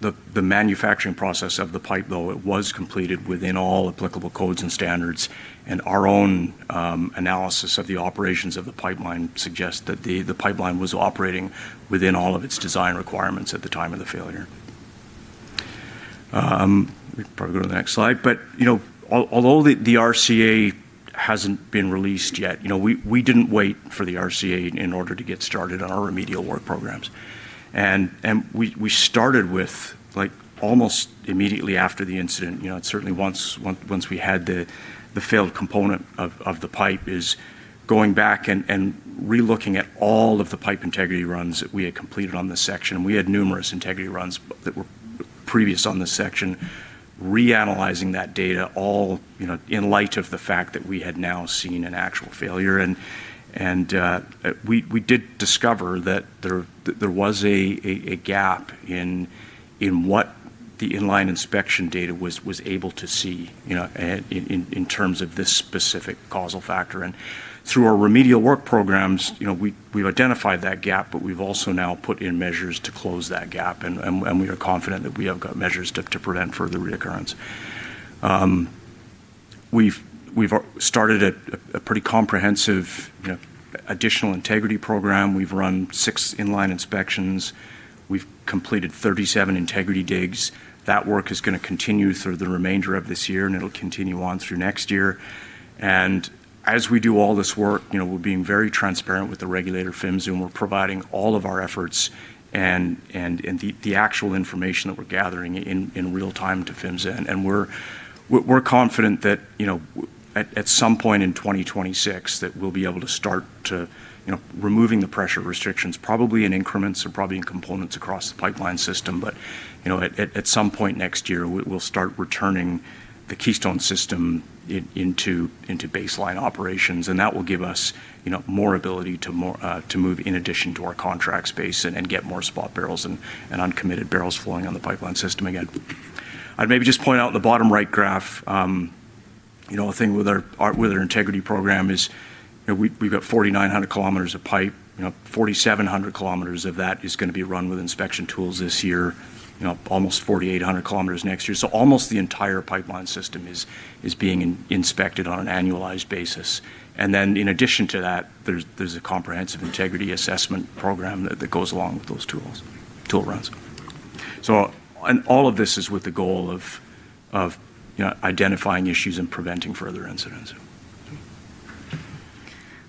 the manufacturing process of the pipe, though, it was completed within all applicable codes and standards. Our own analysis of the operations of the pipeline suggests that the pipeline was operating within all of its design requirements at the time of the failure. We can probably go to the next slide. You know, although the RCA hasn't been released yet, you know, we didn't wait for the RCA in order to get started on our remedial work programs. We started with like almost immediately after the incident, you know, certainly once we had the failed component of the pipe is going back and relooking at all of the pipe integrity runs that we had completed on this section. We had numerous integrity runs that were previous on this section, reanalyzing that data all, you know, in light of the fact that we had now seen an actual failure. We did discover that there was a gap in what the inline inspection data was able to see, you know, in terms of this specific causal factor. Through our remedial work programs, you know, we've identified that gap, but we've also now put in measures to close that gap. We are confident that we have got measures to prevent further reoccurrence. We've started a pretty comprehensive, you know, additional integrity program. We've run six inline inspections. We've completed 37 integrity digs. That work is going to continue through the remainder of this year, and it'll continue on through next year. As we do all this work, you know, we're being very transparent with the regulator, PHMSA, and we're providing all of our efforts and the actual information that we're gathering in real time to PHMSA. We're confident that, you know, at some point in 2026, we'll be able to start, you know, removing the pressure restrictions, probably in increments and probably in components across the pipeline system. You know, at some point next year, we'll start returning the Keystone system into baseline operations. That will give us, you know, more ability to move in addition to our contract space and get more spot barrels and uncommitted barrels flowing on the pipeline system again. I'd maybe just point out in the bottom right graph, you know, a thing with our integrity program is, you know, we've got 4,900 km of pipe, you know, 4,700 km of that is going to be run with inspection tools this year, you know, almost 4,800 km next year. Almost the entire pipeline system is being inspected on an annualized basis. In addition to that, there's a comprehensive integrity assessment program that goes along with those tools, tool runs. All of this is with the goal of, you know, identifying issues and preventing further incidents.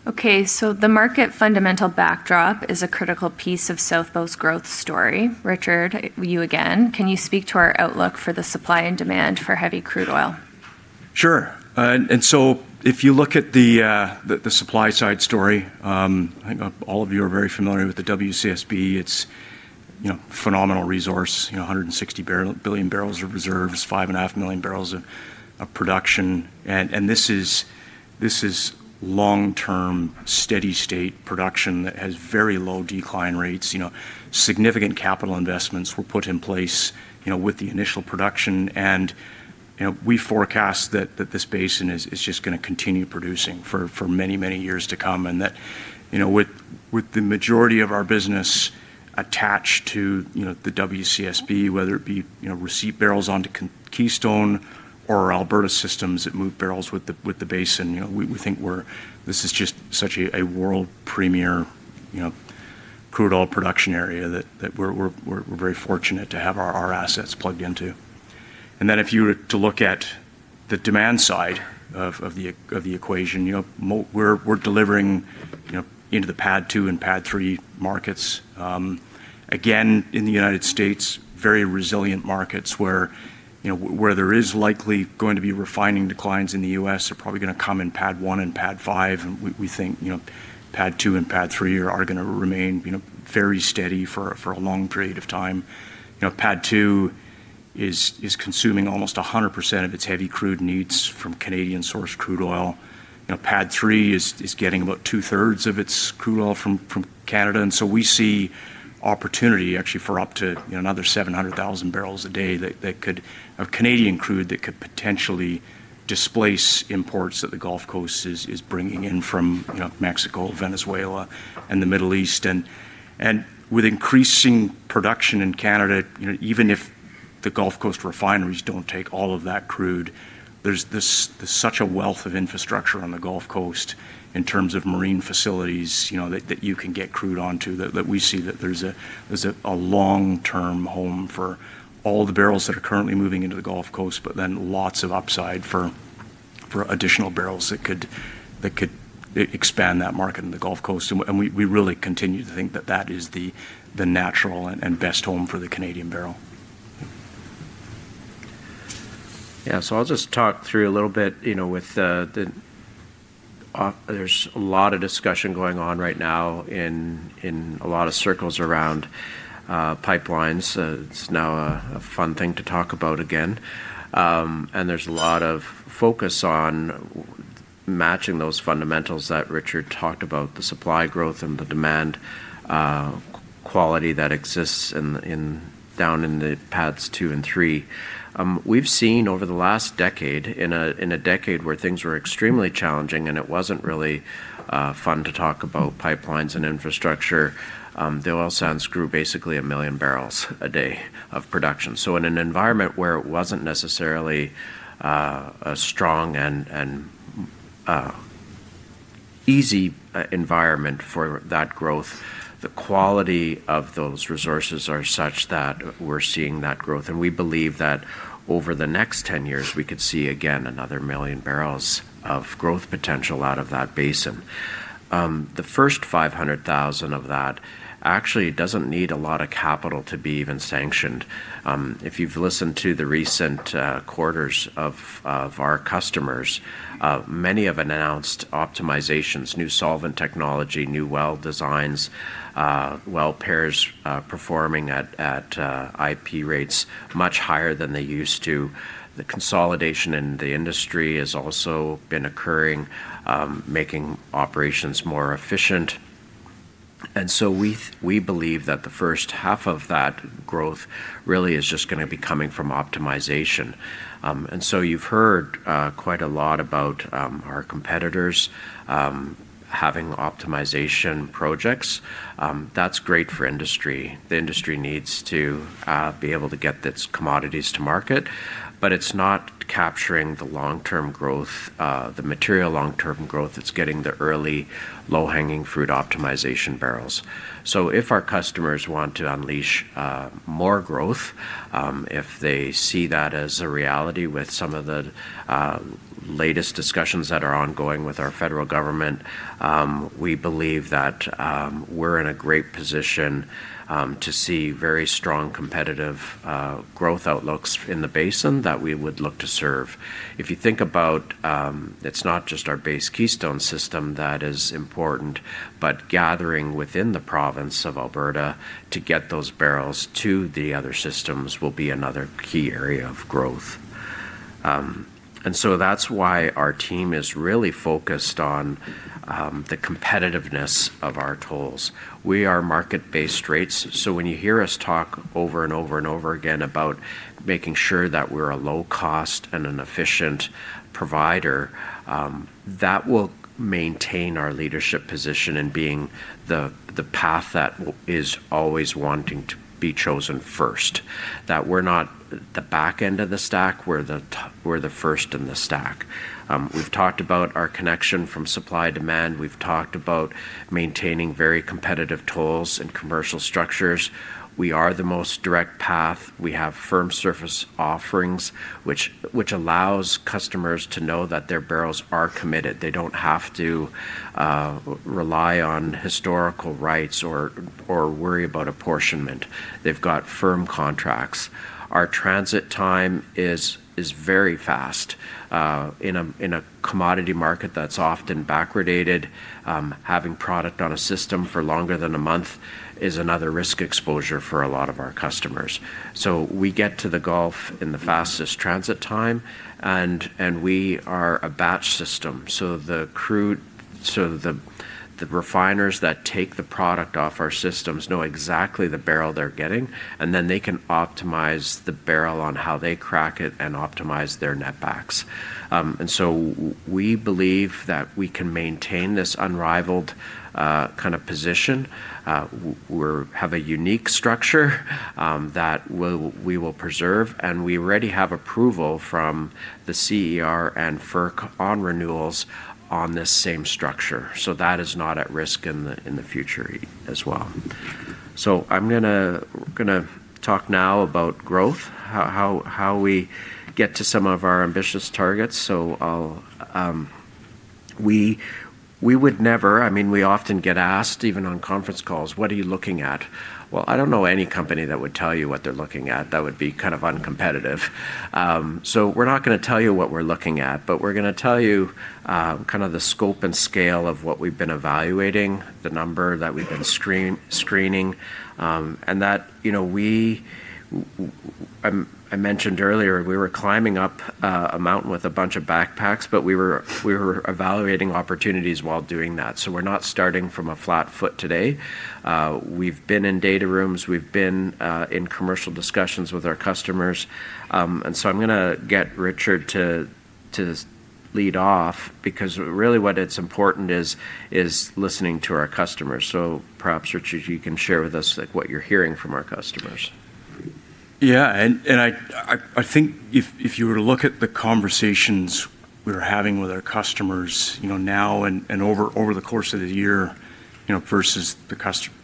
Okay. The market fundamental backdrop is a critical piece of South Bow's growth story. Richard, you again, can you speak to our outlook for the supply and demand for heavy crude oil? Sure. If you look at the supply side story, I think all of you are very familiar with the WCSB. It's, you know, a phenomenal resource, you know, 160 billion barrels of reserves, 5.5 million barrels of production. This is long-term steady state production that has very low decline rates, you know, significant capital investments were put in place, you know, with the initial production. You know, we forecast that this basin is just going to continue producing for many, many years to come. With the majority of our business attached to, you know, the WCSB, whether it be, you know, receipt barrels onto Keystone or Alberta Systems that move barrels with the basin, you know, we think we're, this is just such a world premier, you know, crude oil production area that we're very fortunate to have our assets plugged into. If you were to look at the demand side of the equation, you know, we're delivering, you know, into the PADD 2 and PADD 3 markets. Again, in the Unites States, very resilient markets where, you know, where there is likely going to be refining declines in the U.S. are probably going to come in PADD 1 and PADD 5. We think, you know, PADD 2 and PADD 3 are going to remain, you know, very steady for a long period of time. You know, PADD 2 is consuming almost 100% of its heavy crude needs from Canadian source crude oil. You know, PADD 3 is getting about two-thirds of its crude oil from Canada. We see opportunity actually for up to, you know, another 700,000 barrels a day that could, of Canadian crude that could potentially displace imports that the Gulf Coast is bringing in from, you know, Mexico, Venezuela, and the Middle East. With increasing production in Canada, you know, even if the Gulf Coast refineries do not take all of that crude, there is such a wealth of infrastructure on the Gulf Coast in terms of marine facilities, you know, that you can get crude onto that we see that there is a long-term home for all the barrels that are currently moving into the Gulf Coast, but then lots of upside for additional barrels that could expand that market in the Gulf Coast. We really continue to think that that is the natural and best home for the Canadian barrel. Yeah. I'll just talk through a little bit, you know, there's a lot of discussion going on right now in a lot of circles around pipelines. It's now a fun thing to talk about again. There's a lot of focus on matching those fundamentals that Richard talked about, the supply growth and the demand quality that exists down in the pads two and three. We've seen over the last decade, in a decade where things were extremely challenging and it wasn't really fun to talk about pipelines and infrastructure, the oil sands grew basically a million barrels a day of production. In an environment where it wasn't necessarily a strong and easy environment for that growth, the quality of those resources are such that we're seeing that growth. We believe that over the next 10 years, we could see again another million barrels of growth potential out of that basin. The first 500,000 of that actually does not need a lot of capital to be even sanctioned. If you have listened to the recent quarters of our customers, many have announced optimizations, new solvent technology, new well designs, well pairs performing at IP rates much higher than they used to. The consolidation in the industry has also been occurring, making operations more efficient. We believe that the first half of that growth really is just going to be coming from optimization. You have heard quite a lot about our competitors having optimization projects. That is great for industry. The industry needs to be able to get its commodities to market, but it's not capturing the long-term growth, the material long-term growth that's getting the early low-hanging fruit optimization barrels. If our customers want to unleash more growth, if they see that as a reality with some of the latest discussions that are ongoing with our federal government, we believe that we're in a great position to see very strong competitive growth outlooks in the basin that we would look to serve. If you think about, it's not just our base Keystone system that is important, but gathering within the province of Alberta to get those barrels to the other systems will be another key area of growth. That is why our team is really focused on the competitiveness of our tools. We are market-based rates. When you hear us talk over and over again about making sure that we're a low-cost and an efficient provider, that will maintain our leadership position and being the path that is always wanting to be chosen first, that we're not the back end of the stack, we're the first in the stack. We've talked about our connection from supply to demand. We've talked about maintaining very competitive tools and commercial structures. We are the most direct path. We have firm service offerings, which allows customers to know that their barrels are committed. They don't have to rely on historical rights or worry about apportionment. They've got firm contracts. Our transit time is very fast. In a commodity market that's often backwardated, having product on a system for longer than a month is another risk exposure for a lot of our customers. We get to the Gulf in the fastest transit time. We are a batch system, so the refiners that take the product off our systems know exactly the barrel they're getting, and they can optimize the barrel on how they crack it and optimize their net backs. We believe that we can maintain this unrivaled kind of position. We have a unique structure that we will preserve. We already have approval from the CER and FERC on renewals on this same structure, so that is not at risk in the future as well. I'm going to talk now about growth, how we get to some of our ambitious targets. We would never, I mean, we often get asked, even on conference calls, what are you looking at? I don't know any company that would tell you what they're looking at. That would be kind of uncompetitive. We are not going to tell you what we are looking at, but we are going to tell you kind of the scope and scale of what we have been evaluating, the number that we have been screening. You know, I mentioned earlier, we were climbing up a mountain with a bunch of backpacks, but we were evaluating opportunities while doing that. We are not starting from a flat foot today. We have been in data rooms. We have been in commercial discussions with our customers. I am going to get Richard to lead off because really what is important is listening to our customers. Perhaps, Richard, you can share with us what you are hearing from our customers. Yeah. I think if you were to look at the conversations we're having with our customers, you know, now and over the course of the year, you know, versus the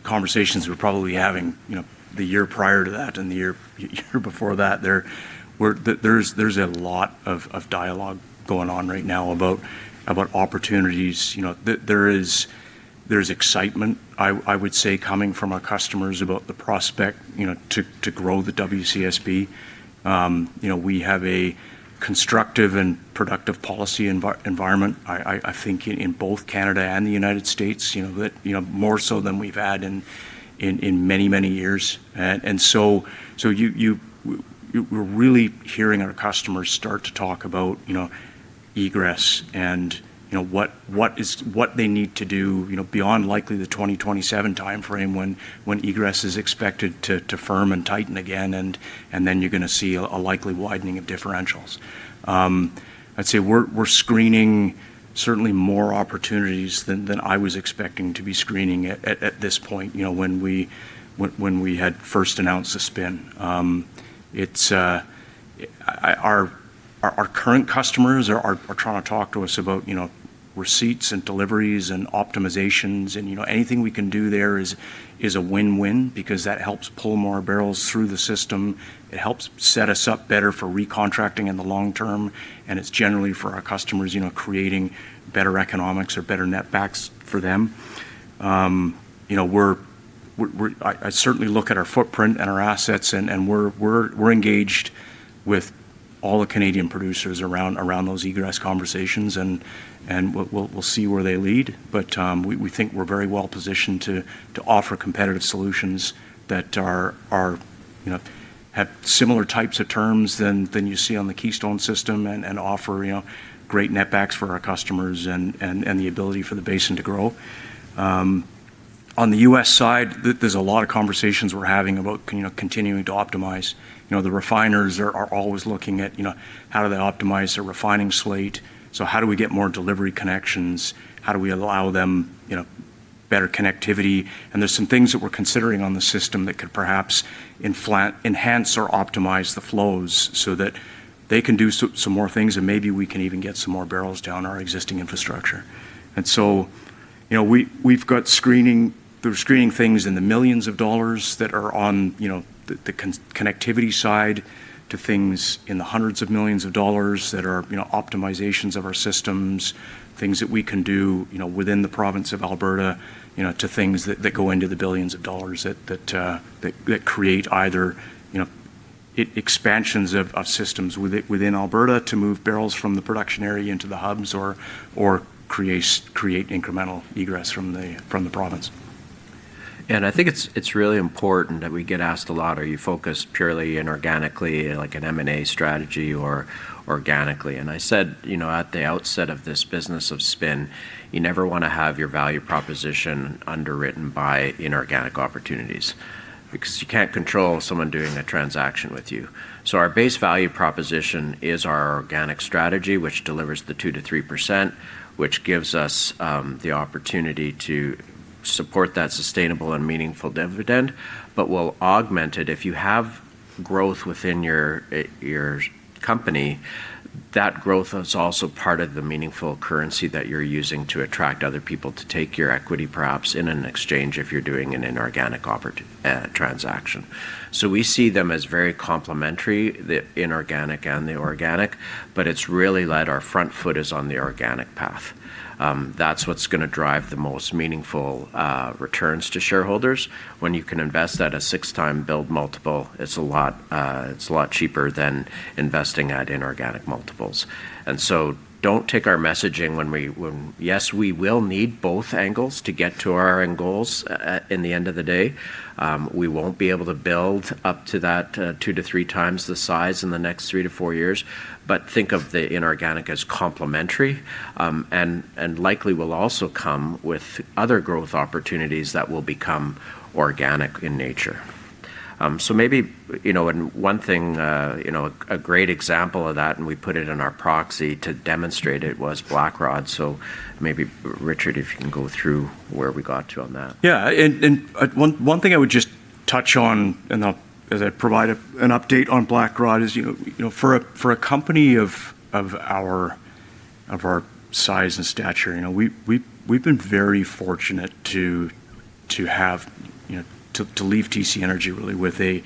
conversations we're probably having, you know, the year prior to that and the year before that, there's a lot of dialogue going on right now about opportunities. You know, there is excitement, I would say, coming from our customers about the prospect, you know, to grow the WCSB. You know, we have a constructive and productive policy environment, I think, in both Canada and the United States, you know, more so than we've had in many, many years. We're really hearing our customers start to talk about, you know, egress and, you know, what they need to do, you know, beyond likely the 2027 timeframe when egress is expected to firm and tighten again. You're going to see a likely widening of differentials. I'd say we're screening certainly more opportunities than I was expecting to be screening at this point, you know, when we had first announced the spin. Our current customers are trying to talk to us about, you know, receipts and deliveries and optimizations. You know, anything we can do there is a win-win because that helps pull more barrels through the system. It helps set us up better for recontracting in the long term. It's generally for our customers, you know, creating better economics or better net backs for them. You know, I certainly look at our footprint and our assets, and we're engaged with all the Canadian producers around those egress conversations. We'll see where they lead. We think we're very well positioned to offer competitive solutions that are, you know, have similar types of terms than you see on the Keystone system and offer, you know, great net backs for our customers and the ability for the basin to grow. On the U.S. side, there's a lot of conversations we're having about, you know, continuing to optimize. You know, the refiners are always looking at, you know, how do they optimize their refining slate? How do we get more delivery connections? How do we allow them, you know, better connectivity? There's some things that we're considering on the system that could perhaps enhance or optimize the flows so that they can do some more things and maybe we can even get some more barrels down our existing infrastructure. You know, we've got screening things in the millions of dollars that are on, you know, the connectivity side to things in the hundreds of millions of dollars that are, you know, optimizations of our systems, things that we can do, you know, within the province of Alberta, you know, to things that go into the billions of dollars that create either, you know, expansions of systems within Alberta to move barrels from the production area into the hubs or create incremental egress from the province. I think it's really important that we get asked a lot, are you focused purely inorganically, like an M&A strategy or organically? I said, you know, at the outset of this business of spin, you never want to have your value proposition underwritten by inorganic opportunities because you can't control someone doing a transaction with you. Our base value proposition is our organic strategy, which delivers the 2%-3%, which gives us the opportunity to support that sustainable and meaningful dividend, but we'll augment it. If you have growth within your company, that growth is also part of the meaningful currency that you're using to attract other people to take your equity, perhaps in an exchange if you're doing an inorganic transaction. We see them as very complementary, the inorganic and the organic, but it's really like our front foot is on the organic path. That's what's going to drive the most meaningful returns to shareholders. When you can invest at a six-time build multiple, it's a lot cheaper than investing at inorganic multiples. Do not take our messaging when we, yes, we will need both angles to get to our end goals in the end of the day. We won't be able to build up to that two to three times the size in the next three to four years, but think of the inorganic as complementary and likely will also come with other growth opportunities that will become organic in nature. Maybe, you know, one thing, you know, a great example of that, and we put it in our proxy to demonstrate it was Blackrod. Maybe, Richard, if you can go through where we got to on that. Yeah. One thing I would just touch on, and I'll provide an update on Blackrod is, you know, for a company of our size and stature, you know, we've been very fortunate to have, you know, to leave TC Energy really with a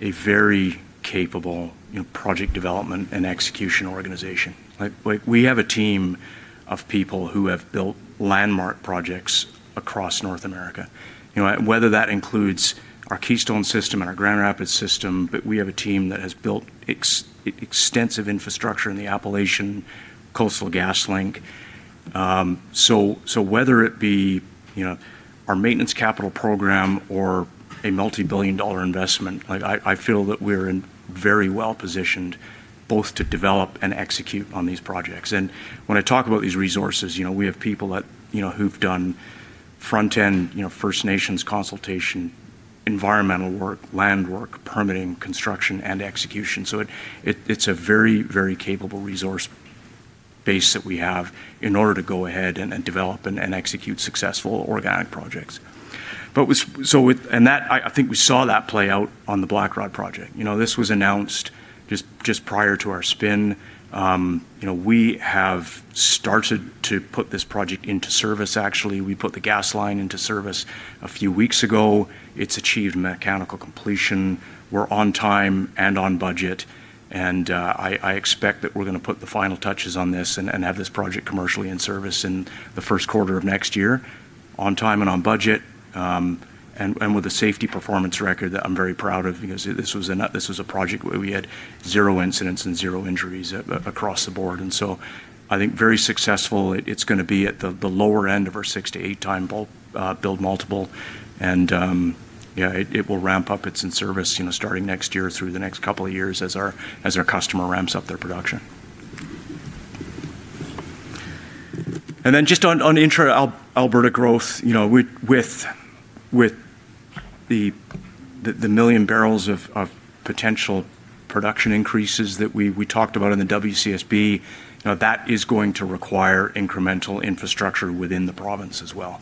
very capable project development and execution organization. We have a team of people who have built landmark projects across North America. You know, whether that includes our Keystone system and our Grand Rapids system, but we have a team that has built extensive infrastructure in the Appalachian Coastal GasLink. You know, whether it be our maintenance capital program or a multi-billion dollar investment, like I feel that we're very well positioned both to develop and execute on these projects. When I talk about these resources, you know, we have people that, you know, who've done front-end, you know, First Nations consultation, environmental work, land work, permitting, construction, and execution. It is a very, very capable resource base that we have in order to go ahead and develop and execute successful organic projects. I think we saw that play out on the Blackrod project. This was announced just prior to our spin. We have started to put this project into service. Actually, we put the gas line into service a few weeks ago. It has achieved mechanical completion. We are on time and on budget. I expect that we're going to put the final touches on this and have this project commercially in service in the first quarter of next year on time and on budget, and with a safety performance record that I'm very proud of because this was a project where we had zero incidents and zero injuries across the board. I think very successful. It's going to be at the lower end of our 6-8-time build multiple. Yeah, it will ramp up its in-service, you know, starting next year through the next couple of years as our customer ramps up their production. Just on intro Alberta growth, you know, with the 1 million barrels of potential production increases that we talked about in the WCSB, you know, that is going to require incremental infrastructure within the province as well.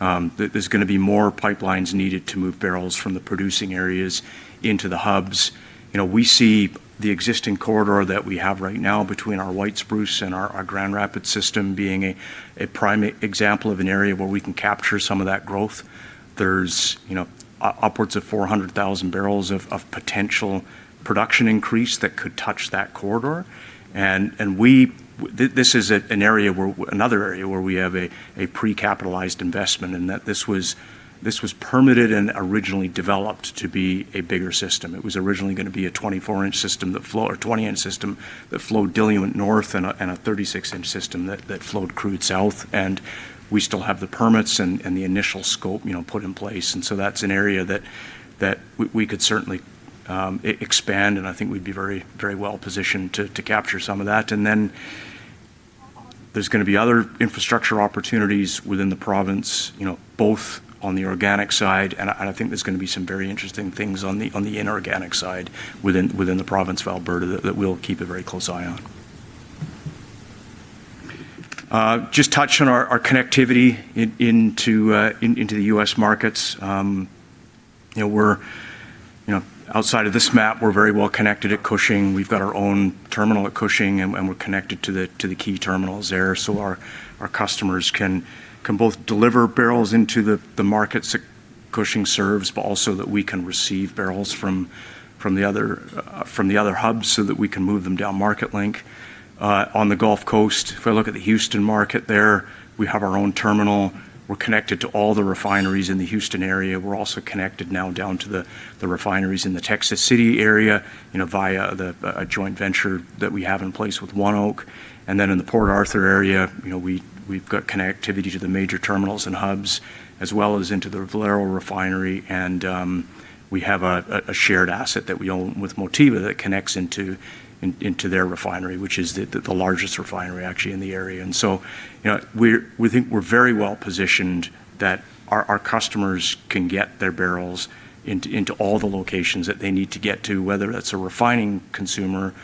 There's going to be more pipelines needed to move barrels from the producing areas into the hubs. You know, we see the existing corridor that we have right now between our White Spruce and our Grand Rapids system being a prime example of an area where we can capture some of that growth. There's, you know, upwards of 400,000 barrels of potential production increase that could touch that corridor. This is another area where we have a pre-capitalized investment and that this was permitted and originally developed to be a bigger system. It was originally going to be a 24-inch system that flowed or 20-inch system that flowed diluent north and a 36-inch system that flowed crude south. We still have the permits and the initial scope, you know, put in place. That is an area that we could certainly expand. I think we'd be very, very well positioned to capture some of that. There are going to be other infrastructure opportunities within the province, you know, both on the organic side. I think there's going to be some very interesting things on the inorganic side within the province of Alberta that we'll keep a very close eye on. Just to touch on our connectivity into the U.S. markets, you know, we're, you know, outside of this map, we're very well connected at Cushing. We've got our own terminal at Cushing and we're connected to the key terminals there. Our customers can both deliver barrels into the markets that Cushing serves, but also we can receive barrels from the other hubs so that we can move them down Marketlink. On the Gulf Coast, if I look at the Houston market there, we have our own terminal. We're connected to all the refineries in the Houston area. We're also connected now down to the refineries in the Texas City area, you know, via a joint venture that we have in place with One Oak. In the Port Arthur area, you know, we've got connectivity to the major terminals and hubs as well as into the Valero refinery. We have a shared asset that we own with Motiva that connects into their refinery, which is the largest refinery actually in the area. You know, we think we're very well positioned that our customers can get their barrels into all the locations that they need to get to, whether that's a refining consumer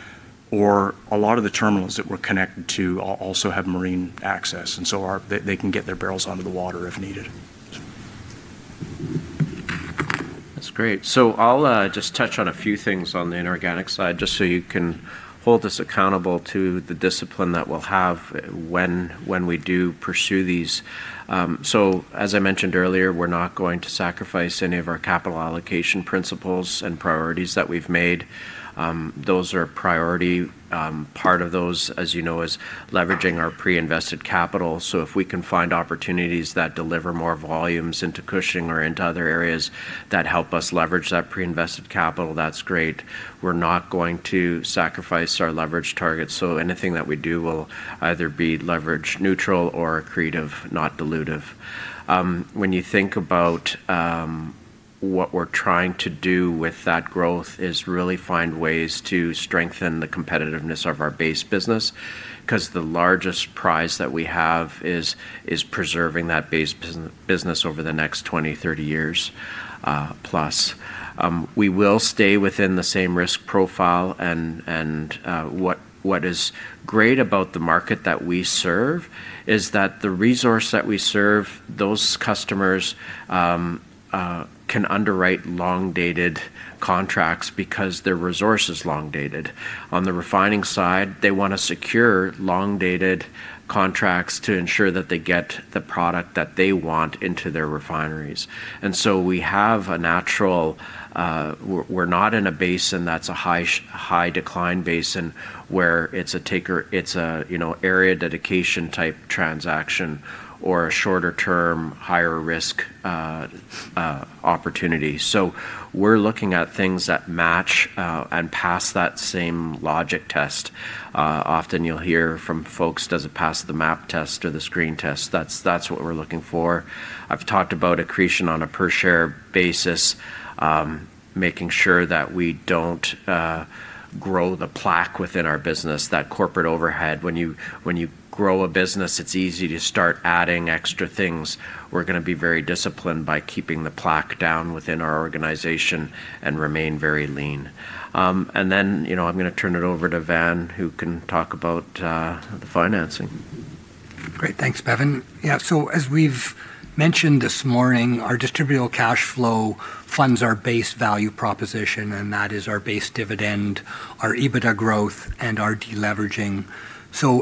or a lot of the terminals that we're connected to also have marine access. They can get their barrels under the water if needed. That's great. I'll just touch on a few things on the inorganic side just so you can hold us accountable to the discipline that we'll have when we do pursue these. As I mentioned earlier, we're not going to sacrifice any of our capital allocation principles and priorities that we've made. Those are a priority. Part of those, as you know, is leveraging our pre-invested capital. If we can find opportunities that deliver more volumes into Cushing or into other areas that help us leverage that pre-invested capital, that's great. We're not going to sacrifice our leverage targets. Anything that we do will either be leverage neutral or accretive, not dilutive. When you think about what we're trying to do with that growth is really find ways to strengthen the competitiveness of our base business because the largest prize that we have is preserving that base business over the next 20, 30 years plus. We will stay within the same risk profile. What is great about the market that we serve is that the resource that we serve, those customers can underwrite long-dated contracts because their resource is long-dated. On the refining side, they want to secure long-dated contracts to ensure that they get the product that they want into their refineries. We have a natural, we're not in a basin that's a high decline basin where it's a, you know, area dedication type transaction or a shorter-term higher risk opportunity. We are looking at things that match and pass that same logic test. Often you'll hear from folks, does it pass the map test or the screen test? That's what we're looking for. I've talked about accretion on a per-share basis, making sure that we don't grow the plaque within our business, that corporate overhead. When you grow a business, it's easy to start adding extra things. We're going to be very disciplined by keeping the plaque down within our organization and remain very lean. You know, I'm going to turn it over to Van, who can talk about the financing. Great. Thanks, Bevin. Yeah. As we've mentioned this morning, our distributable cash flow funds our base value proposition, and that is our base dividend, our EBITDA growth, and our deleveraging.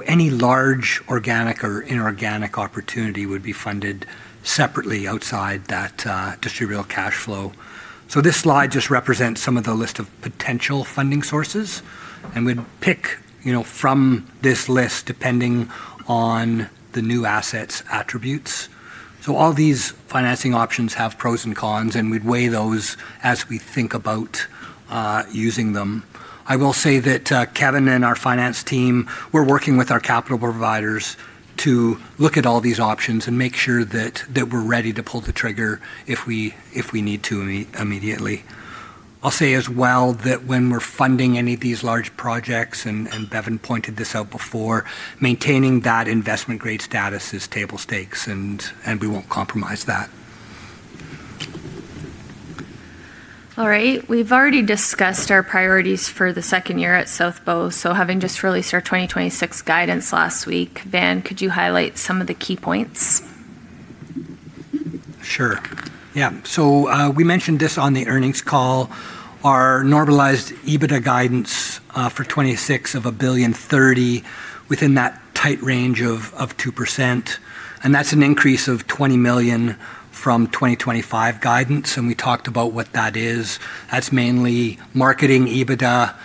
Any large organic or inorganic opportunity would be funded separately outside that distributable cash flow. This slide just represents some of the list of potential funding sources. We'd pick, you know, from this list depending on the new assets' attributes. All these financing options have pros and cons, and we'd weigh those as we think about using them. I will say that Kevin and our finance team are working with our capital providers to look at all these options and make sure that we're ready to pull the trigger if we need to immediately. I'll say as well that when we're funding any of these large projects, and Bevin pointed this out before, maintaining that investment-grade status is table stakes, and we won't compromise that. All right. We've already discussed our priorities for the second year at South Bow. Having just released our 2026 guidance last week, Van, could you highlight some of the key points? Sure. Yeah. We mentioned this on the earnings call. Our normalized EBITDA guidance for $2.6 billion is within that tight range of 2%. That's an increase of $20 million from 2025 guidance. We talked about what that is. That's mainly marketing EBITDA,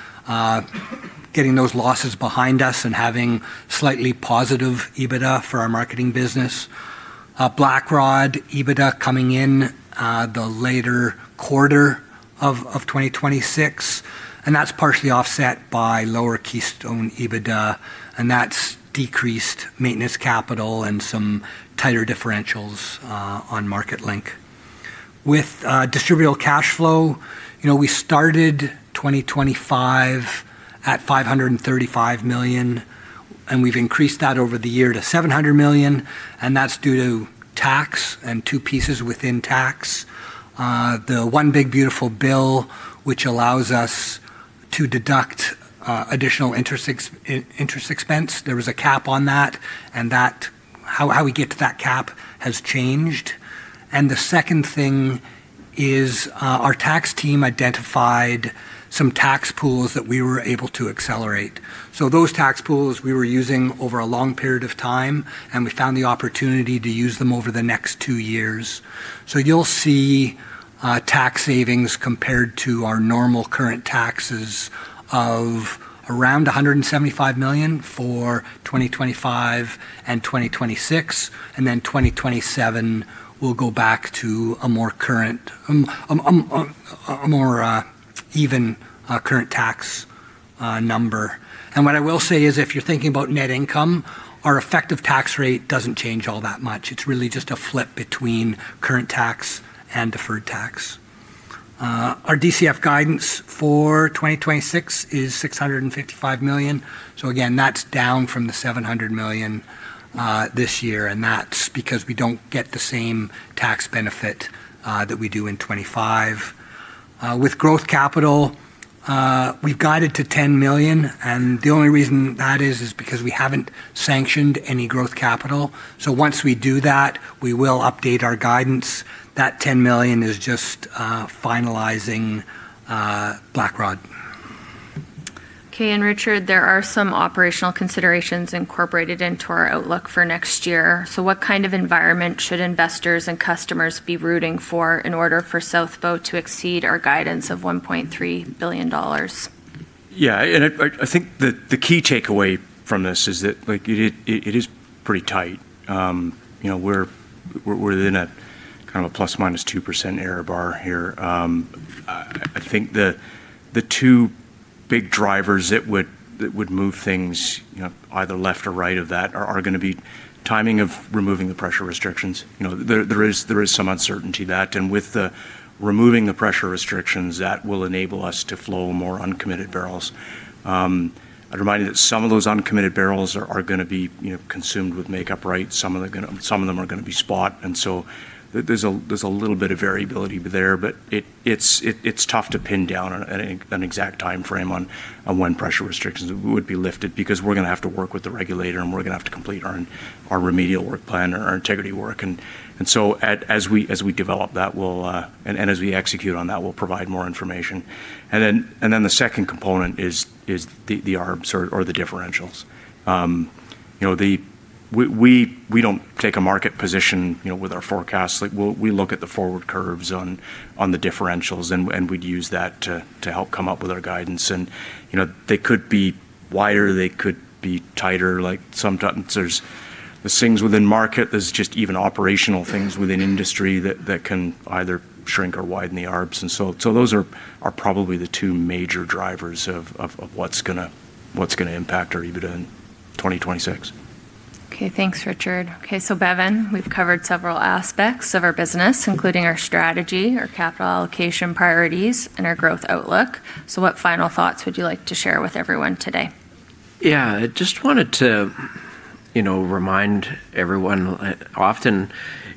getting those losses behind us and having slightly positive EBITDA for our marketing business. Blackrod EBITDA coming in the later quarter of 2026. That's partially offset by lower Keystone EBITDA. That's decreased maintenance capital and some tighter differentials on Marketlink. With distributable cash flow, you know, we started 2025 at $535 million, and we've increased that over the year to $700 million. That's due to tax and two pieces within tax. The one big beautiful bill, which allows us to deduct additional interest expense, there was a cap on that. How we get to that cap has changed. The second thing is our tax team identified some tax pools that we were able to accelerate. Those tax pools, we were using over a long period of time, and we found the opportunity to use them over the next two years. You will see tax savings compared to our normal current taxes of around $175 million for 2025 and 2026. In 2027, we will go back to a more current, a more even current tax number. What I will say is if you are thinking about net income, our effective tax rate does not change all that much. It is really just a flip between current tax and deferred tax. Our DCF guidance for 2026 is $655 million. That is down from the $700 million this year. That is because we do not get the same tax benefit that we do in 2025. With growth capital, we've guided to $10 million. The only reason that is, is because we haven't sanctioned any growth capital. Once we do that, we will update our guidance. That $10 million is just finalizing Blackrod. Okay. Richard, there are some operational considerations incorporated into our outlook for next year. What kind of environment should investors and customers be rooting for in order for South Bow to exceed our guidance of $1.3 billion? Yeah. I think the key takeaway from this is that it is pretty tight. You know, we're in a kind of a plus-minus 2% error bar here. I think the two big drivers that would move things, you know, either left or right of that are going to be timing of removing the pressure restrictions. You know, there is some uncertainty that. With removing the pressure restrictions, that will enable us to flow more uncommitted barrels. I'd remind you that some of those uncommitted barrels are going to be consumed with makeup rights. Some of them are going to be spot. There is a little bit of variability there, but it's tough to pin down an exact timeframe on when pressure restrictions would be lifted because we're going to have to work with the regulator and we're going to have to complete our remedial work plan or our integrity work. As we develop that, and as we execute on that, we'll provide more information. The second component is the arms or the differentials. You know, we don't take a market position, you know, with our forecasts. We look at the forward curves on the differentials and we'd use that to help come up with our guidance. You know, they could be wider, they could be tighter. Like sometimes there's things within market, there's just even operational things within industry that can either shrink or widen the arms. Those are probably the two major drivers of what's going to impact our EBITDA in 2026. Okay. Thanks, Richard. Okay. Bevin, we've covered several aspects of our business, including our strategy, our capital allocation priorities, and our growth outlook. What final thoughts would you like to share with everyone today? Yeah. I just wanted to, you know, remind everyone. Often,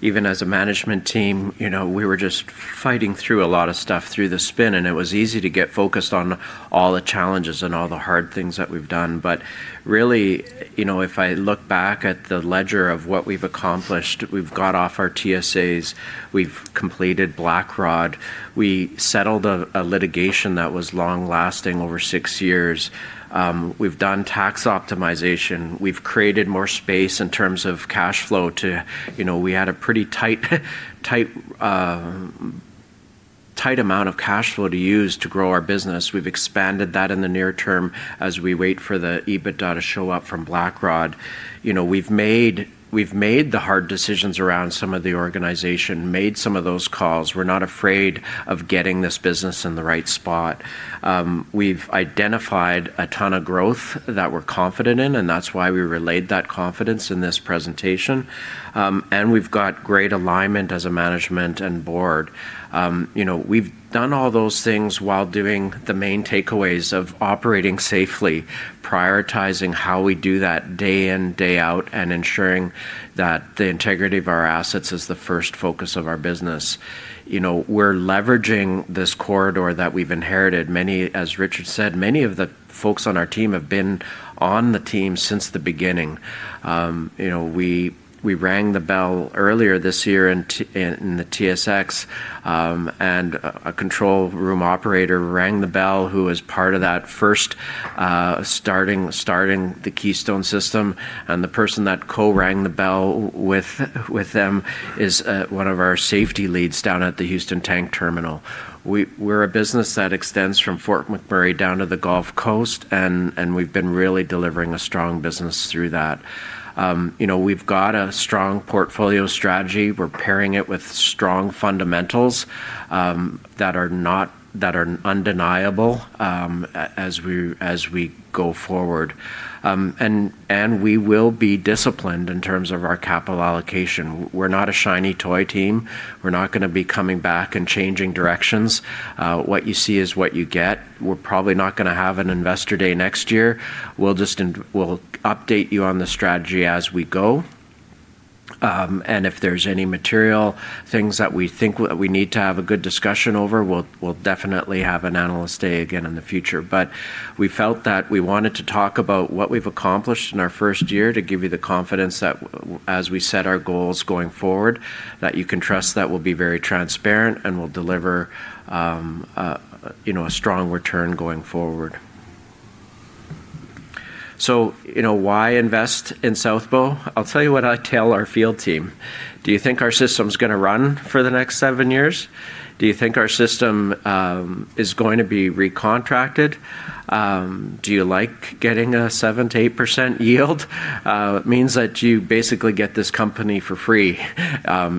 even as a management team, you know, we were just fighting through a lot of stuff through the spin. It was easy to get focused on all the challenges and all the hard things that we've done. Really, you know, if I look back at the ledger of what we've accomplished, we've got off our TSAs, we've completed Blackrod, we settled a litigation that was long-lasting over six years. We've done tax optimization. We've created more space in terms of cash flow to, you know, we had a pretty tight amount of cash flow to use to grow our business. We've expanded that in the near term as we wait for the EBITDA to show up from Blackrod. You know, we've made the hard decisions around some of the organization, made some of those calls. We're not afraid of getting this business in the right spot. We've identified a ton of growth that we're confident in, and that's why we relayed that confidence in this presentation. We've got great alignment as a management and board. You know, we've done all those things while doing the main takeaways of operating safely, prioritizing how we do that day in, day out, and ensuring that the integrity of our assets is the first focus of our business. You know, we're leveraging this corridor that we've inherited. As Richard said, many of the folks on our team have been on the team since the beginning. You know, we rang the bell earlier this year in the TSX, and a control room operator rang the bell who was part of that first starting the Keystone system. The person that co-ranked the bell with them is one of our safety leads down at the Houston Tank terminal. We're a business that extends from Fort McMurray down to the Gulf Coast, and we've been really delivering a strong business through that. You know, we've got a strong portfolio strategy. We're pairing it with strong fundamentals that are undeniable as we go forward. We will be disciplined in terms of our capital allocation. We're not a shiny toy team. We're not going to be coming back and changing directions. What you see is what you get. We're probably not going to have an investor day next year. We'll update you on the strategy as we go. If there's any material things that we think that we need to have a good discussion over, we'll definitely have an analyst day again in the future. We felt that we wanted to talk about what we've accomplished in our first year to give you the confidence that as we set our goals going forward, that you can trust that we'll be very transparent and we'll deliver, you know, a strong return going forward. You know, why invest in South Bow? I'll tell you what I tell our field team. Do you think our system's going to run for the next seven years? Do you think our system is going to be recontracted? Do you like getting a 7-8% yield? It means that you basically get this company for free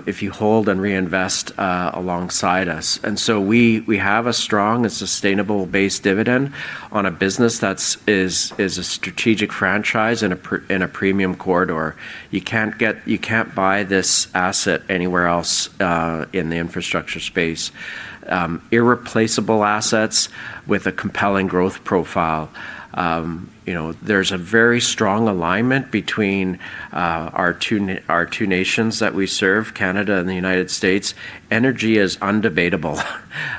if you hold and reinvest alongside us. We have a strong and sustainable base dividend on a business that is a strategic franchise in a premium corridor. You can't buy this asset anywhere else in the infrastructure space. Irreplaceable assets with a compelling growth profile. You know, there's a very strong alignment between our two nations that we serve, Canada and the United States. Energy is undebatable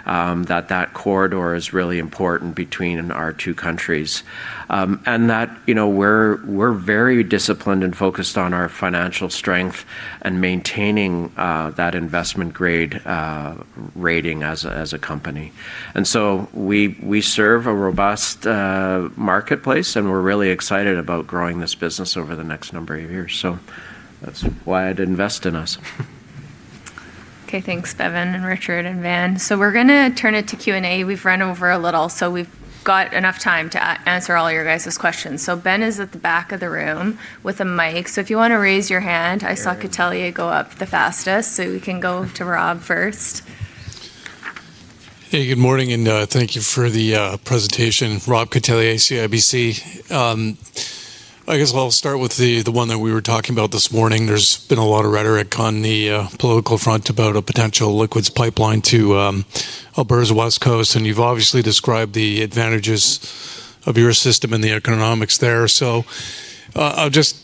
that that corridor is really important between our two countries. You know, we're very disciplined and focused on our financial strength and maintaining that investment-grade rating as a company. We serve a robust marketplace, and we're really excited about growing this business over the next number of years. That's why I'd invest in us. Okay. Thanks, Bevin and Richard and Van. We are going to turn it to Q&A. We have run over a little, so we have got enough time to answer all your guys' questions. Ben is at the back of the room with a mic. If you want to raise your hand, I saw Catellier go up the fastest. We can go to Rob first. Hey, good morning, and thank you for the presentation. Rob Catellier, CIBC. I guess I'll start with the one that we were talking about this morning. There's been a lot of rhetoric on the political front about a potential liquids pipeline to Alberta's West Coast. You have obviously described the advantages of your system and the economics there. I will just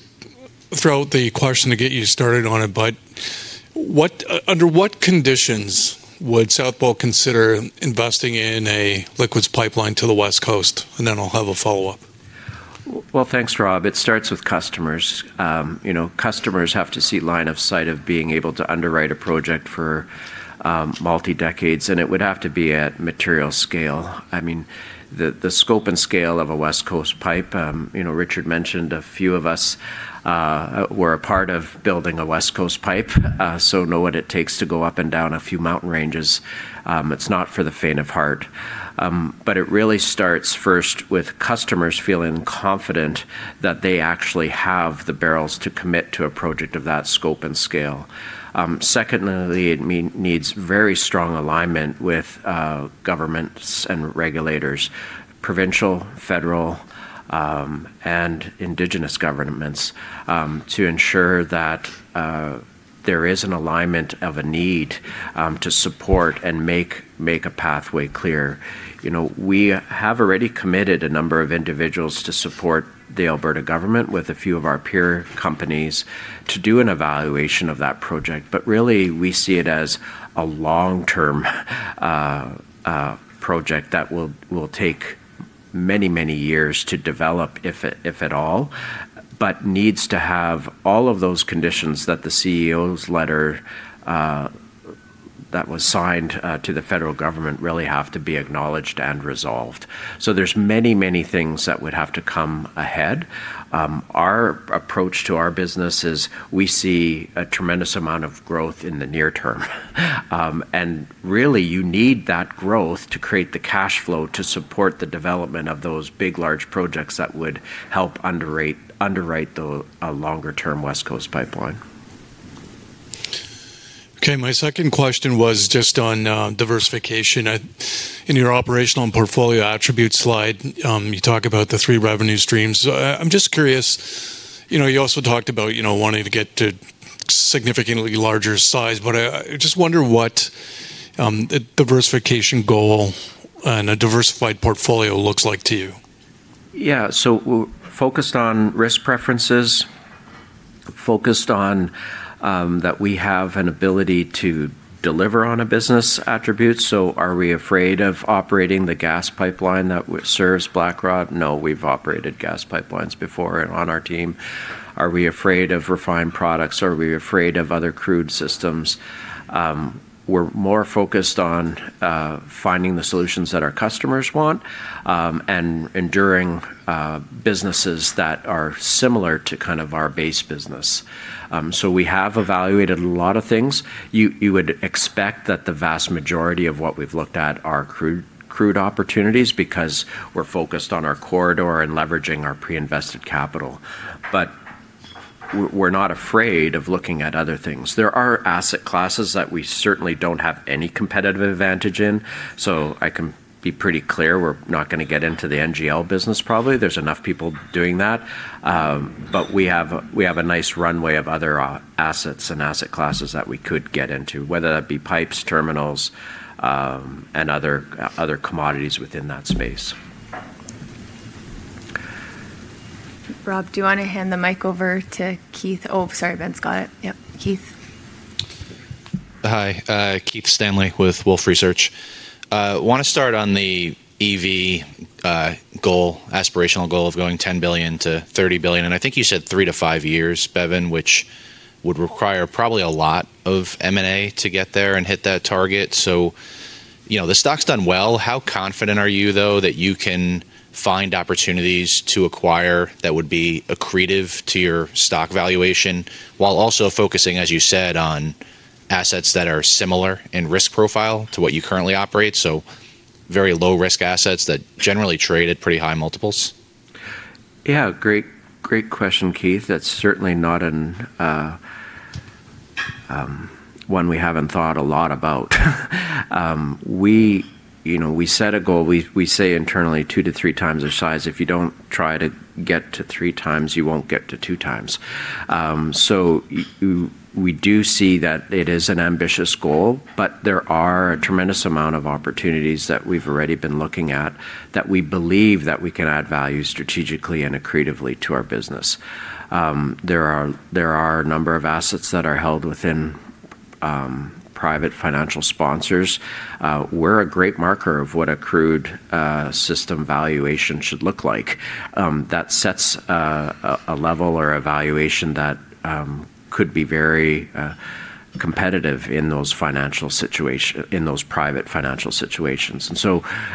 throw out the question to get you started on it. Under what conditions would South Bow consider investing in a liquids pipeline to the West Coast? I have a follow-up. Thanks, Rob. It starts with customers. You know, customers have to see line of sight of being able to underwrite a project for multi-decades. It would have to be at material scale. I mean, the scope and scale of a West Coast pipe, you know, Richard mentioned a few of us were a part of building a West Coast pipe, so know what it takes to go up and down a few mountain ranges. It's not for the faint of heart. It really starts first with customers feeling confident that they actually have the barrels to commit to a project of that scope and scale. Secondly, it needs very strong alignment with governments and regulators, provincial, federal, and indigenous governments to ensure that there is an alignment of a need to support and make a pathway clear. You know, we have already committed a number of individuals to support the Alberta government with a few of our peer companies to do an evaluation of that project. Really, we see it as a long-term project that will take many, many years to develop, if at all, but needs to have all of those conditions that the CEO's letter that was signed to the federal government really have to be acknowledged and resolved. There are many, many things that would have to come ahead. Our approach to our business is we see a tremendous amount of growth in the near term. Really, you need that growth to create the cash flow to support the development of those big, large projects that would help underwrite the longer-term West Coast pipeline. Okay. My second question was just on diversification. In your operational and portfolio attribute slide, you talk about the three revenue streams. I'm just curious, you know, you also talked about, you know, wanting to get to significantly larger size, but I just wonder what a diversification goal and a diversified portfolio looks like to you. Yeah. Focused on risk preferences, focused on that we have an ability to deliver on a business attribute. Are we afraid of operating the gas pipeline that serves Blackrod? No, we've operated gas pipelines before and on our team. Are we afraid of refined products? Are we afraid of other crude systems? We're more focused on finding the solutions that our customers want and enduring businesses that are similar to kind of our base business. We have evaluated a lot of things. You would expect that the vast majority of what we've looked at are crude opportunities because we're focused on our corridor and leveraging our pre-invested capital. We're not afraid of looking at other things. There are asset classes that we certainly do not have any competitive advantage in. I can be pretty clear, we're not going to get into the NGL business probably. There's enough people doing that. We have a nice runway of other assets and asset classes that we could get into, whether that be pipes, terminals, and other commodities within that space. Rob, do you want to hand the mic over to Keith? Oh, sorry, Ben's got it. Yep. Keith. Hi. Keith Stanley with Wolfe Research. Want to start on the EV goal, aspirational goal of going $10 billion to $30 billion. I think you said three to five years, Bevin, which would require probably a lot of M&A to get there and hit that target. You know, the stock's done well. How confident are you, though, that you can find opportunities to acquire that would be accretive to your stock valuation while also focusing, as you said, on assets that are similar in risk profile to what you currently operate? Very low-risk assets that generally trade at pretty high multiples. Yeah. Great, great question, Keith. That's certainly not one we haven't thought a lot about. We, you know, we set a goal. We say internally two to three times our size. If you don't try to get to three times, you won't get to two times. We do see that it is an ambitious goal, but there are a tremendous amount of opportunities that we've already been looking at that we believe that we can add value strategically and accretively to our business. There are a number of assets that are held within private financial sponsors. We're a great marker of what a crude system valuation should look like. That sets a level or a valuation that could be very competitive in those financial situations, in those private financial situations.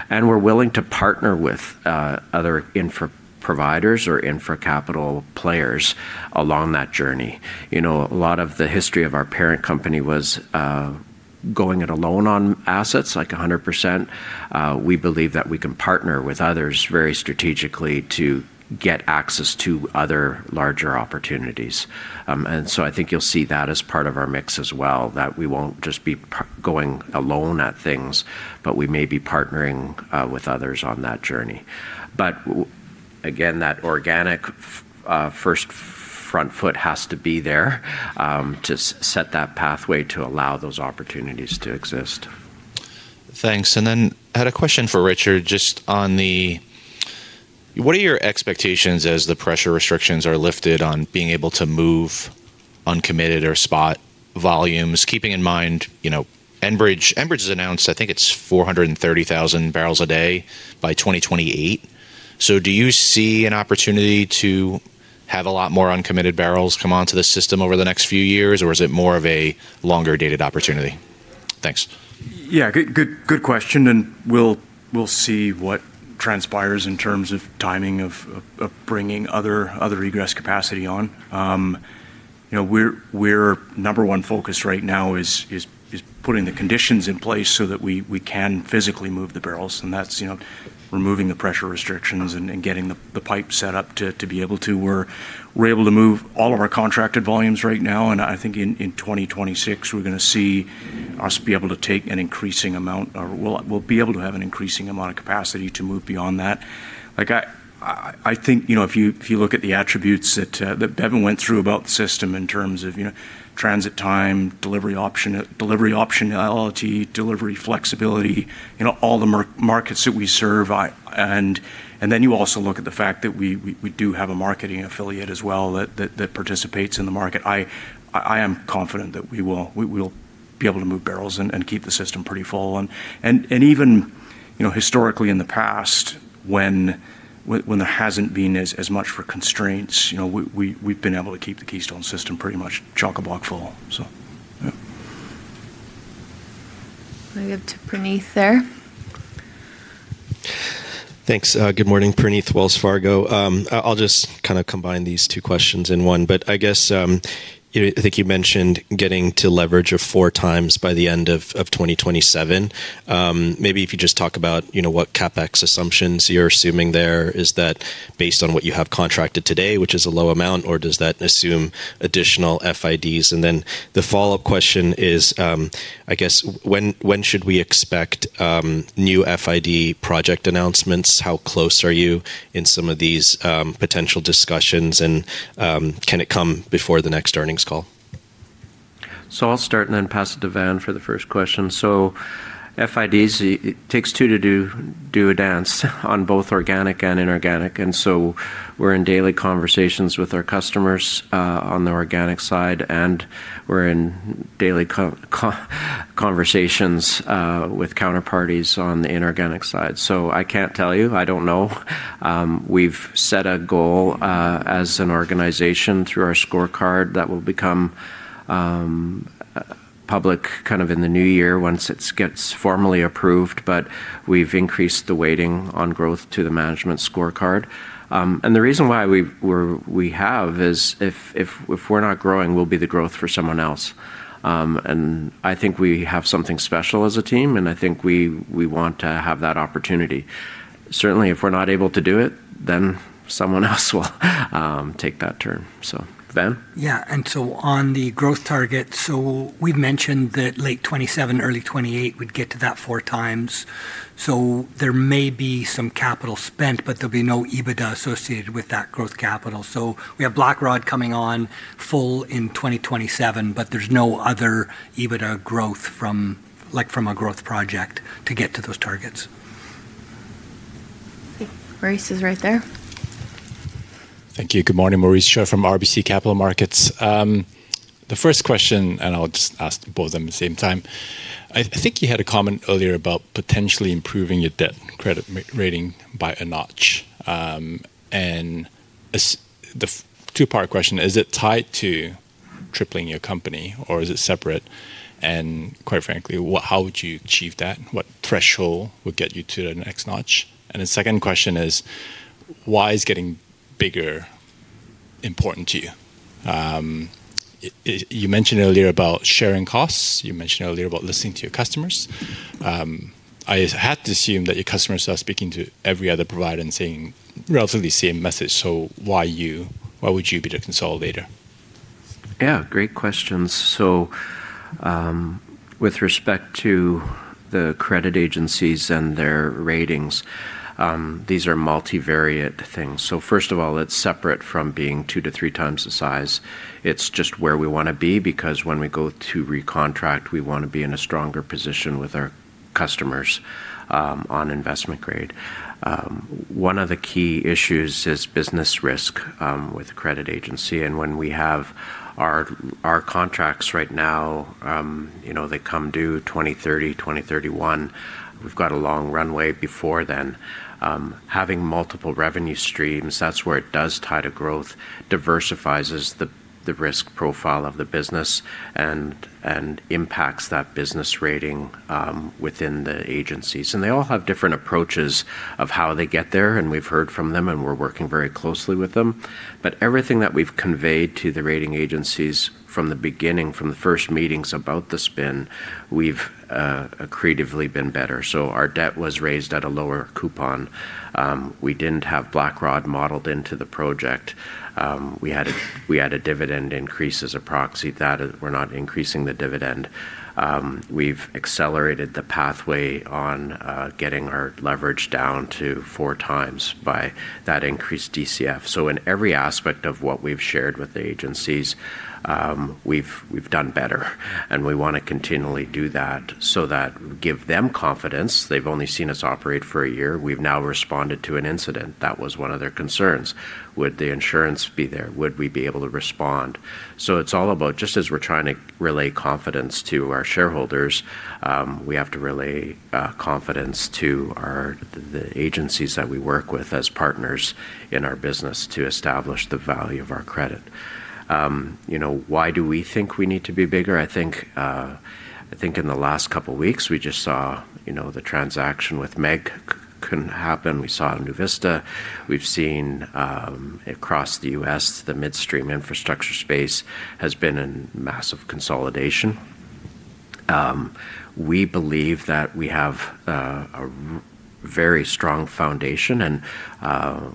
We're willing to partner with other infra providers or infra capital players along that journey. You know, a lot of the history of our parent company was going it alone on assets, like 100%. We believe that we can partner with others very strategically to get access to other larger opportunities. I think you'll see that as part of our mix as well, that we won't just be going alone at things, but we may be partnering with others on that journey. Again, that organic first front foot has to be there to set that pathway to allow those opportunities to exist. Thanks. I had a question for Richard just on the, what are your expectations as the pressure restrictions are lifted on being able to move uncommitted or spot volumes, keeping in mind, you know, Enbridge has announced, I think it is 430,000 barrels a day by 2028. Do you see an opportunity to have a lot more uncommitted barrels come onto the system over the next few years, or is it more of a longer-dated opportunity? Thanks. Yeah. Good question. We'll see what transpires in terms of timing of bringing other egress capacity on. You know, our number one focus right now is putting the conditions in place so that we can physically move the barrels. That's, you know, removing the pressure restrictions and getting the pipe set up to be able to. We're able to move all of our contracted volumes right now. I think in 2026, we're going to see us be able to take an increasing amount, or we'll be able to have an increasing amount of capacity to move beyond that. Like I think, you know, if you look at the attributes that Bevin went through about the system in terms of, you know, transit time, delivery optionality, delivery flexibility, you know, all the markets that we serve. You also look at the fact that we do have a marketing affiliate as well that participates in the market. I am confident that we will be able to move barrels and keep the system pretty full. Even, you know, historically in the past, when there has not been as much for constraints, you know, we have been able to keep the Keystone system pretty much chock-a-block full. Yeah. We have to Praneeth there. Thanks. Good morning, Praneeth Wells Fargo. I'll just kind of combine these two questions in one. I guess, you know, I think you mentioned getting to leverage of four times by the end of 2027. Maybe if you just talk about, you know, what CapEx assumptions you're assuming there. Is that based on what you have contracted today, which is a low amount, or does that assume additional FIDs? The follow-up question is, I guess, when should we expect new FID project announcements? How close are you in some of these potential discussions, and can it come before the next earnings call? I'll start and then pass it to Van for the first question. FIDs, it takes two to do a dance on both organic and inorganic. We're in daily conversations with our customers on the organic side, and we're in daily conversations with counterparties on the inorganic side. I can't tell you. I don't know. We've set a goal as an organization through our scorecard that will become public kind of in the new year once it gets formally approved. We've increased the weighting on growth to the management scorecard. The reason why we have is if we're not growing, we'll be the growth for someone else. I think we have something special as a team, and I think we want to have that opportunity. Certainly, if we're not able to do it, then someone else will take that turn. Van. Yeah. On the growth target, we have mentioned that late 2027, early 2028, we would get to that four times. There may be some capital spent, but there will be no EBITDA associated with that growth capital. We have Blackrod coming on full in 2027, but there is no other EBITDA growth from, like, from a growth project to get to those targets. Okay. Maurice is right there. Thank you. Good morning, Maurice Choy from RBC Capital Markets. The first question, and I'll just ask both of them at the same time. I think you had a comment earlier about potentially improving your debt credit rating by a notch. The two-part question, is it tied to tripling your company, or is it separate? Quite frankly, how would you achieve that? What threshold would get you to the next notch? The second question is, why is getting bigger important to you? You mentioned earlier about sharing costs. You mentioned earlier about listening to your customers. I had to assume that your customers are speaking to every other provider and saying relatively the same message. Why you? Why would you be the consolidator? Great questions. With respect to the credit agencies and their ratings, these are multivariate things. First of all, it's separate from being two to three times the size. It's just where we want to be because when we go to recontract, we want to be in a stronger position with our customers on investment grade. One of the key issues is business risk with a credit agency. When we have our contracts right now, you know, they come due 2030, 2031. We've got a long runway before then. Having multiple revenue streams, that's where it does tie to growth, diversifies the risk profile of the business and impacts that business rating within the agencies. They all have different approaches of how they get there, and we've heard from them, and we're working very closely with them. Everything that we've conveyed to the rating agencies from the beginning, from the first meetings about the spin, we've accretively been better. Our debt was raised at a lower coupon. We did not have Blackrod modeled into the project. We had a dividend increase as a proxy. That we are not increasing the dividend. We have accelerated the pathway on getting our leverage down to four times by that increased DCF. In every aspect of what we've shared with the agencies, we've done better. We want to continually do that so that we give them confidence. They have only seen us operate for a year. We have now responded to an incident. That was one of their concerns. Would the insurance be there? Would we be able to respond? It is all about just as we are trying to relay confidence to our shareholders, we have to relay confidence to the agencies that we work with as partners in our business to establish the value of our credit. You know, why do we think we need to be bigger? I think in the last couple of weeks, we just saw, you know, the transaction with MEG can happen. We saw in NuVista. We have seen across the U.S., the midstream infrastructure space has been in massive consolidation. We believe that we have a very strong foundation, and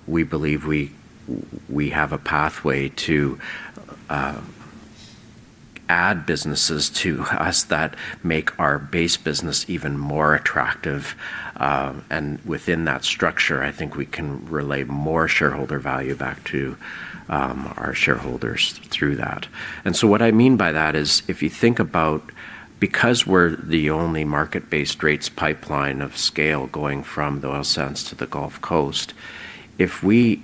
we believe we have a pathway to add businesses to us that make our base business even more attractive. Within that structure, I think we can relay more shareholder value back to our shareholders through that. What I mean by that is if you think about because we're the only market-based rates pipeline of scale going from the oil sands to the Gulf Coast, if we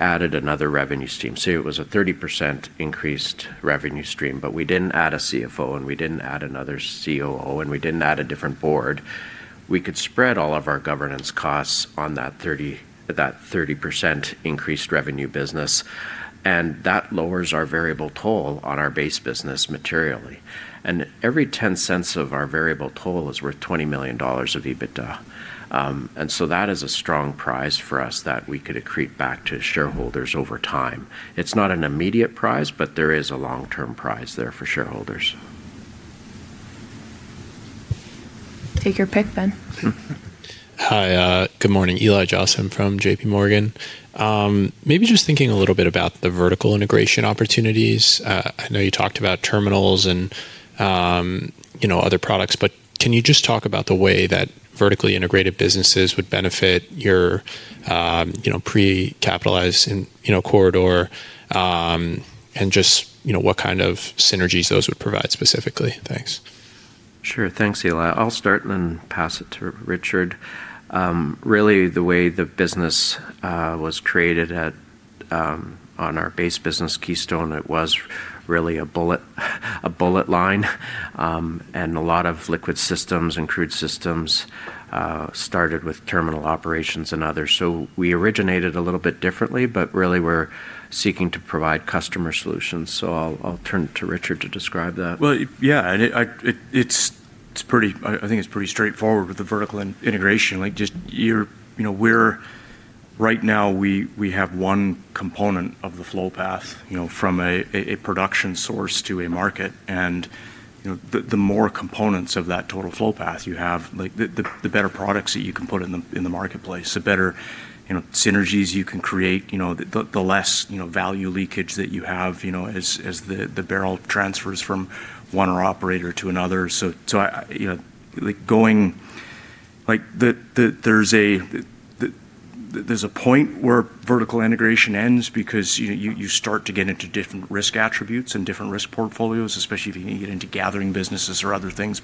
added another revenue stream, say it was a 30% increased revenue stream, but we didn't add a CFO, and we didn't add another COO, and we didn't add a different board, we could spread all of our governance costs on that 30% increased revenue business. That lowers our variable toll on our base business materially. Every $0.10 of our variable toll is worth $20 million of EBITDA. That is a strong prize for us that we could accrete back to shareholders over time. It's not an immediate prize, but there is a long-term prize there for shareholders. Take your pick, Ben. Hi. Good morning. Eli Jossen from JPMorgan. Maybe just thinking a little bit about the vertical integration opportunities. I know you talked about terminals and, you know, other products, but can you just talk about the way that vertically integrated businesses would benefit your, you know, pre-capitalized corridor and just, you know, what kind of synergies those would provide specifically? Thanks. Sure. Thanks, Eli. I'll start and then pass it to Richard. Really, the way the business was created on our base business, Keystone, it was really a bullet line. A lot of liquid systems and crude systems started with terminal operations and others. We originated a little bit differently, but really we're seeking to provide customer solutions. I'll turn to Richard to describe that. Well, yeah. And it's pretty, I think it's pretty straightforward with the vertical integration. Like just, you know, we're right now, we have one component of the flow path, you know, from a production source to a market. And, you know, the more components of that total flow path you have, like the better products that you can put in the marketplace, the better, you know, synergies you can create, you know, the less, you know, value leakage that you have, you know, as the barrel transfers from one operator to another. So, you know, like going, like there's a point where vertical integration ends because you start to get into different risk attributes and different risk portfolios, especially if you can get into gathering businesses or other things.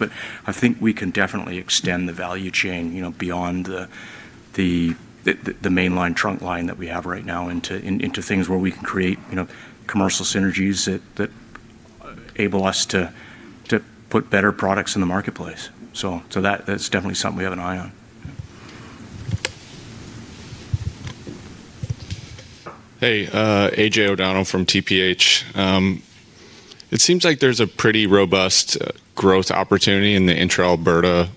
I think we can definitely extend the value chain, you know, beyond the mainline trunk line that we have right now into things where we can create, you know, commercial synergies that enable us to put better products in the marketplace. So that's definitely something we have an eye on. Hey, AJ O'Donnell from TPH. It seems like there's a pretty robust growth opportunity in the Intra-Alberta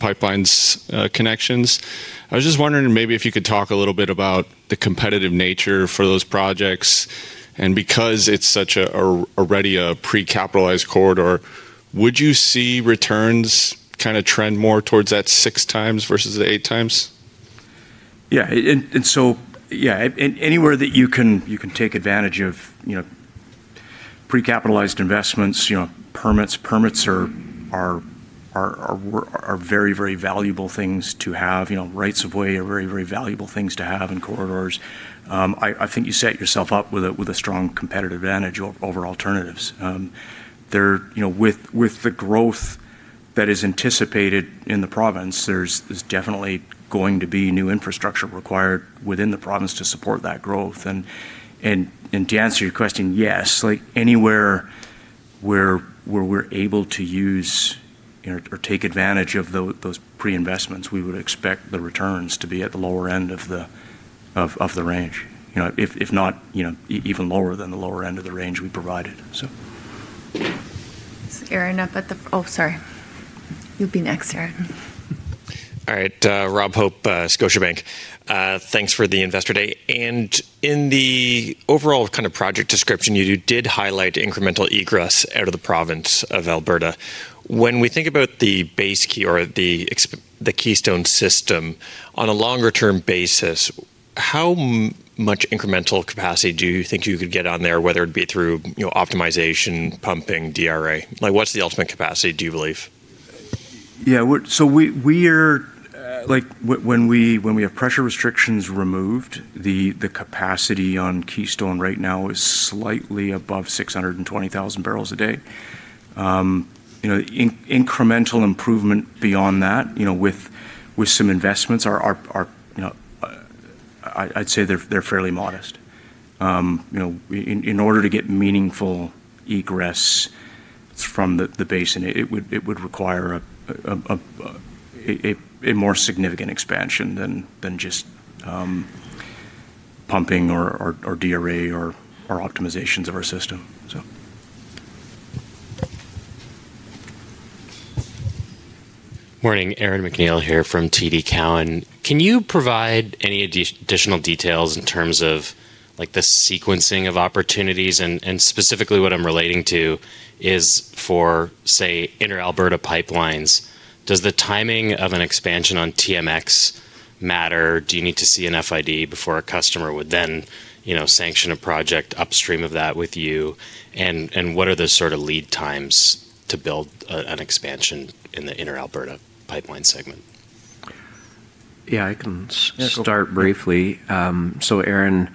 pipelines connections. I was just wondering maybe if you could talk a little bit about the competitive nature for those projects. And because it's such already a pre-capitalized corridor, would you see returns kind of trend more towards that six times versus the eight times? Yeah. And so, yeah, anywhere that you can take advantage of, you know, pre-capitalized investments, you know, permits, are very, very valuable things to have. You know, rights of way are very, very valuable things to have in corridors. I think you set yourself up with a strong competitive advantage over alternatives. There, you know, with the growth that is anticipated in the province, there's definitely going to be new infrastructure required within the province to support that growth. And to answer your question, yes, like anywhere where we're able to use or take advantage of those pre-investments, we would expect the returns to be at the lower end of the range. You know, if not, you know, even lower than the lower end of the range we provided. So, Erin up at the, oh, sorry. You'll be next, Erin. All right. Rob Hope, Scotiabank. Thanks for the investor day. And in the overall kind of project description, you did highlight incremental egress out of the province of Alberta. When we think about the base key or the Keystone system on a longer-term basis, how much incremental capacity do you think you could get on there, whether it be through, you know, optimization, pumping, DRA? Like what's the ultimate capacity do you believe? Yeah. So we are, like when we have pressure restrictions removed, the capacity on Keystone right now is slightly above 620,000 barrels a day. You know, incremental improvement beyond that, you know, with some investments, you know, I'd say they're fairly modest. You know, in order to get meaningful egress from the basin, it would require a more significant expansion than just pumping or DRA or optimizations of our system. So. Morning. Erin McNeil here from TD Cowen. Can you provide any additional details in terms of like the sequencing of opportunities? And specifically what I'm relating to is for, say, Intra-Alberta pipelines. Does the timing of an expansion on TMX matter? Do you need to see an FID before a customer would then, you know, sanction a project upstream of that with you? And what are the sort of lead times to build an expansion in the Intra-Alberta pipeline segment? Yeah, I can start briefly. So, Erin,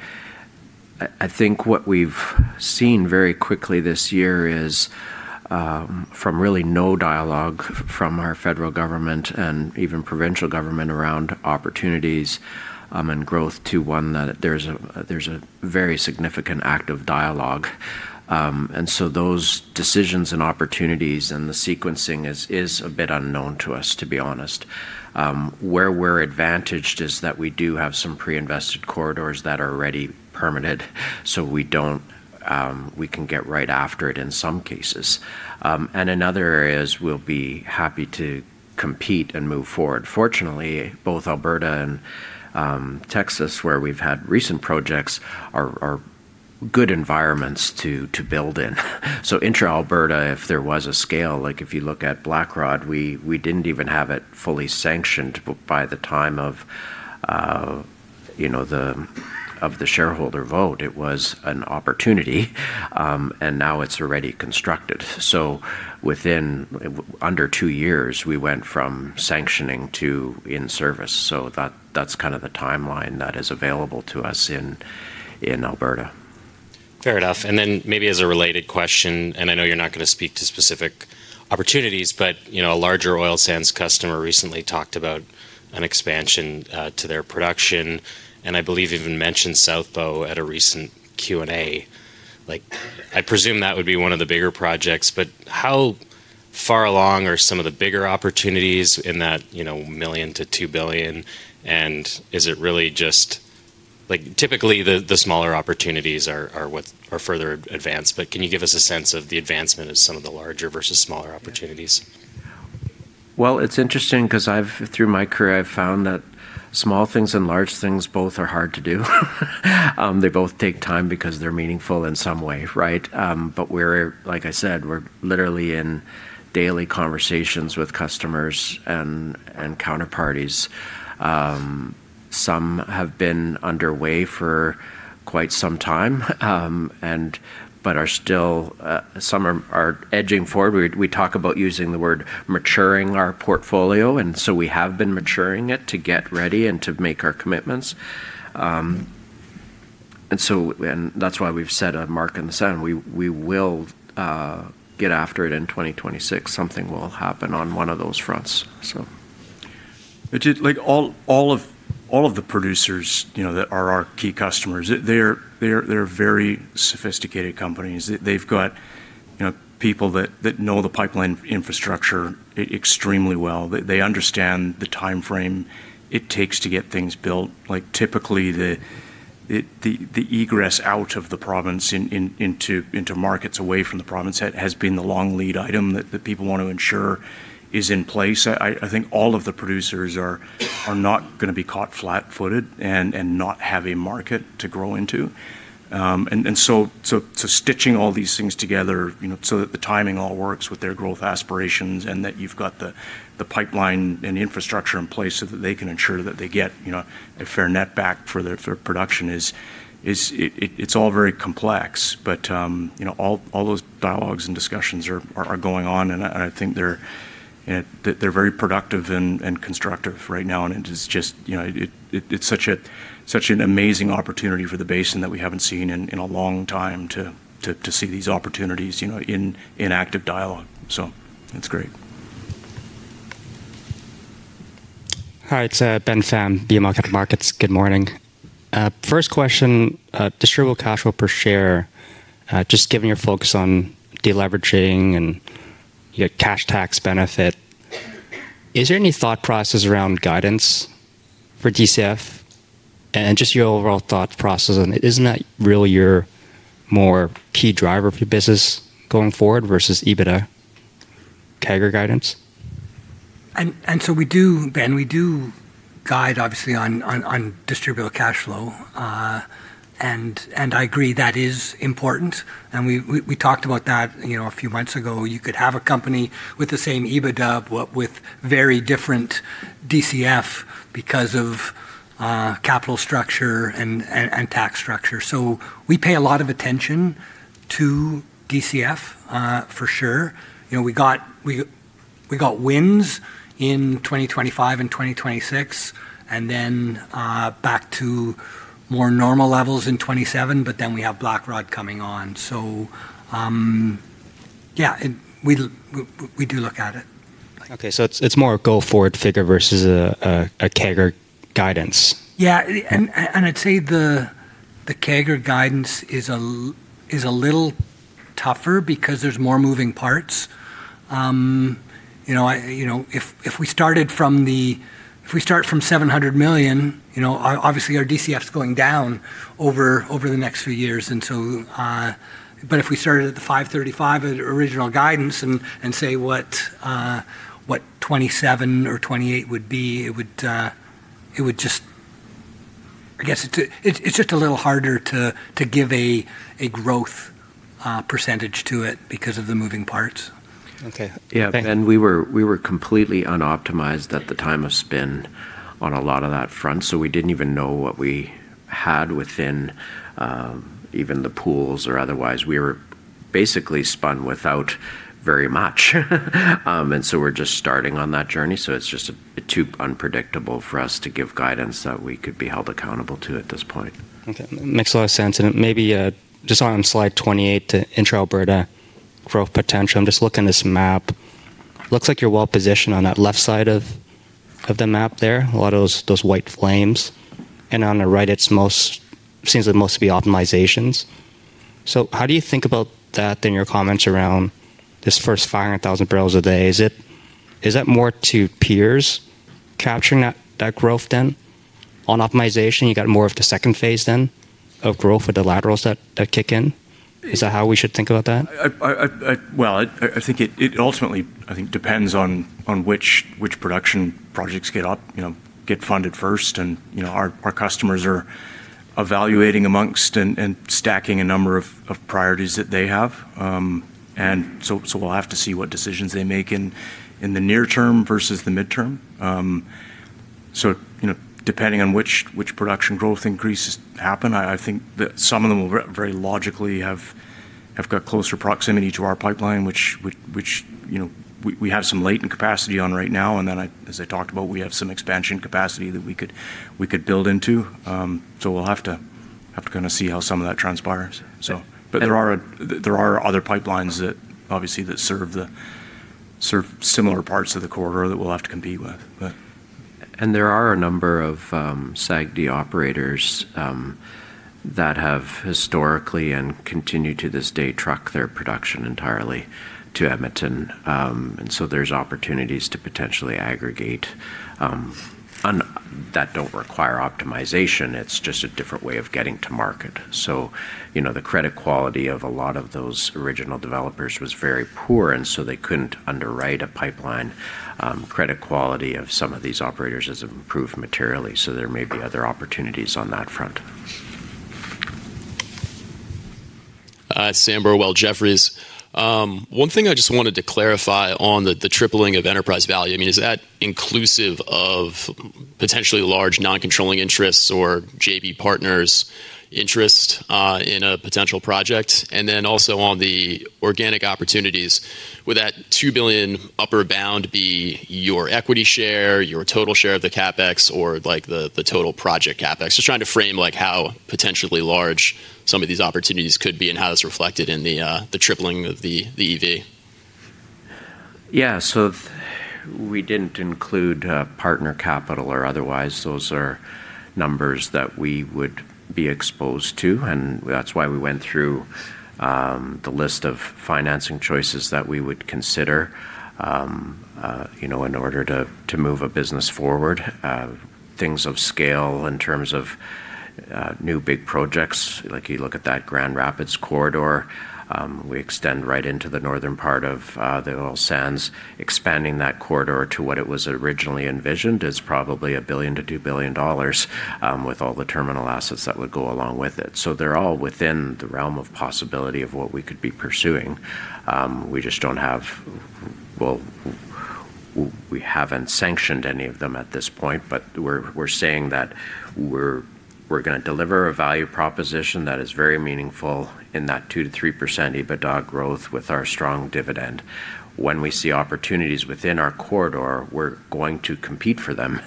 I think what we've seen very quickly this year is from really no dialogue from our federal government and even provincial government around opportunities and growth to one that there's a very significant active dialogue. And so those decisions and opportunities and the sequencing is a bit unknown to us, to be honest. Where we're advantaged is that we do have some pre-invested corridors that are already permitted. So we don't, we can get right after it in some cases. And in other areas, we'll be happy to compete and move forward. Fortunately, both Alberta and Texas, where we've had recent projects, are good environments to build in. So Intra-Alberta, if there was a scale, like if you look at Blackrod, we didn't even have it fully sanctioned by the time of, you know, the shareholder vote. It was an opportunity. And now it's already constructed. So within under two years, we went from sanctioning to in service. So that's kind of the timeline that is available to us in Alberta. Fair enough. And then maybe as a related question, and I know you're not going to speak to specific opportunities, but, you know, a larger oil sands customer recently talked about an expansion to their production. And I believe you even mentioned Southbow at a recent Q&A. Like I presume that would be one of the bigger projects. But how far along are some of the bigger opportunities in that, you know, million to two billion? And is it really just like typically the smaller opportunities are further advanced? But can you give us a sense of the advancement of some of the larger versus smaller opportunities? Well, it's interesting because through my career, I've found that small things and large things both are hard to do. They both take time because they're meaningful in some way, right? But we're, like I said, we're literally in daily conversations with customers and counterparties. Some have been underway for quite some time, but are still, some are edging forward. We talk about using the word maturing our portfolio. And so we have been maturing it to get ready and to make our commitments. And so that's why we've set a mark in the sand. We will get after it in 2026. Something will happen on one of those fronts. But like all of the producers, you know, that are our key customers, they're very sophisticated companies. They've got, you know, people that know the pipeline infrastructure extremely well. They understand the timeframe it takes to get things built. Like typically the egress out of the province into markets away from the province has been the long lead item that people want to ensure is in place. I think all of the producers are not going to be caught flat-footed and not have a market to grow into. And so stitching all these things together, you know, so that the timing all works with their growth aspirations and that you've got the pipeline and infrastructure in place so that they can ensure that they get, you know, a fair net back for their production is, it's all very complex. But, you know, all those dialogues and discussions are going on. And I think they're very productive and constructive right now. And it's just, you know, it's such an amazing opportunity for the basin that we haven't seen in a long time to see these opportunities, you know, in active dialogue. So that's great. Hi, it's Ben Pham, BMO Capital Markets. Good morning. First question, distributable cash flow per share, just given your focus on deleveraging and your cash tax benefit, is there any thought process around guidance for DCF? Just your overall thought process, isn't that really your more key driver for your business going forward versus EBITDA? Kaggle guidance? We do, Ben, we do guide obviously on distributable cash flow. I agree that is important. We talked about that, you know, a few months ago. You could have a company with the same EBITDA but with very different DCF because of capital structure and tax structure. We pay a lot of attention to DCF for sure. You know, we got wins in 2025 and 2026 and then back to more normal levels in 2027, but then we have Blackrod coming on. Yeah, we do look at it. Okay. It is more a go-forward figure versus a CAGR guidance. Yeah. And I'd say the CAGRx guidance is a little tougher because there's more moving parts. You know, if we start from $700 million, you know, obviously our DCF is going down over the next few years. And so, but if we started at the $535 million original guidance and say what 2027 or 2028 would be, it would just, I guess it's just a little harder to give a growth percentage to it because of the moving parts. Okay. Yeah. We were completely unoptimized at the time of spin on a lot of that front. We did not even know what we had within even the pools or otherwise. We were basically spun without very much. We are just starting on that journey. It is just too unpredictable for us to give guidance that we could be held accountable to at this point. Okay. Makes a lot of sense. Maybe just on slide 28 to Intra-Alberta growth potential, I am just looking at this map. Looks like you are well positioned on that left side of the map there, a lot of those white flames. On the right, it seems like most of the optimizations. How do you think about that in your comments around this first 500,000 barrels a day? Is that more to peers capturing that growth then? On optimization, you got more of the second phase than of growth with the laterals that kick in. Is that how we should think about that? I think it ultimately depends on which production projects get up, you know, get funded first, and you know, our customers are evaluating amongst and stacking a number of priorities that they have, and so we'll have to see what decisions they make in the near term versus the midterm. You know, depending on which production growth increase happens, I think that some of them will very logically have got closer proximity to our pipeline, which, you know, we have some latent capacity on right now, and then, as I talked about, we have some expansion capacity that we could build into, so we'll have to kind of see how some of that transpires, but there are other pipelines that obviously serve similar parts of the corridor that we'll have to compete with. There are a number of SAG-D operators that have historically and continue to this day truck their production entirely to Edmonton. There's opportunities to potentially aggregate that don't require optimization. It's just a different way of getting to market. You know, the credit quality of a lot of those original developers was very poor. They couldn't underwrite a pipeline. Credit quality of some of these operators has improved materially. There may be other opportunities on that front. Sam Burwell, Jefferies. One thing I just wanted to clarify on the tripling of enterprise value. I mean, is that inclusive of potentially large non-controlling interests or JB Partners' interest in a potential project? Also on the organic opportunities, would that $2 billion upper bound be your equity share, your total share of the CapEx, or like the total project CapEx? Just trying to frame like how potentially large some of these opportunities could be and how it's reflected in the tripling of the EV. Yeah, so we didn't include partner capital or otherwise. Those are numbers that we would be exposed to. And that's why we went through the list of financing choices that we would consider, you know, in order to move a business forward. Things of scale in terms of new big projects, like you look at that Grand Rapids corridor, we extend right into the northern part of the oil sands. Expanding that corridor to what it was originally envisioned is probably $1 billion-$2 billion with all the terminal assets that would go along with it. So they're all within the realm of possibility of what we could be pursuing. We just don't have, we haven't sanctioned any of them at this point, but we're saying that we're going to deliver a value proposition that is very meaningful in that 2%-3% EBITDA growth with our strong dividend. When we see opportunities within our corridor, we're going to compete for them.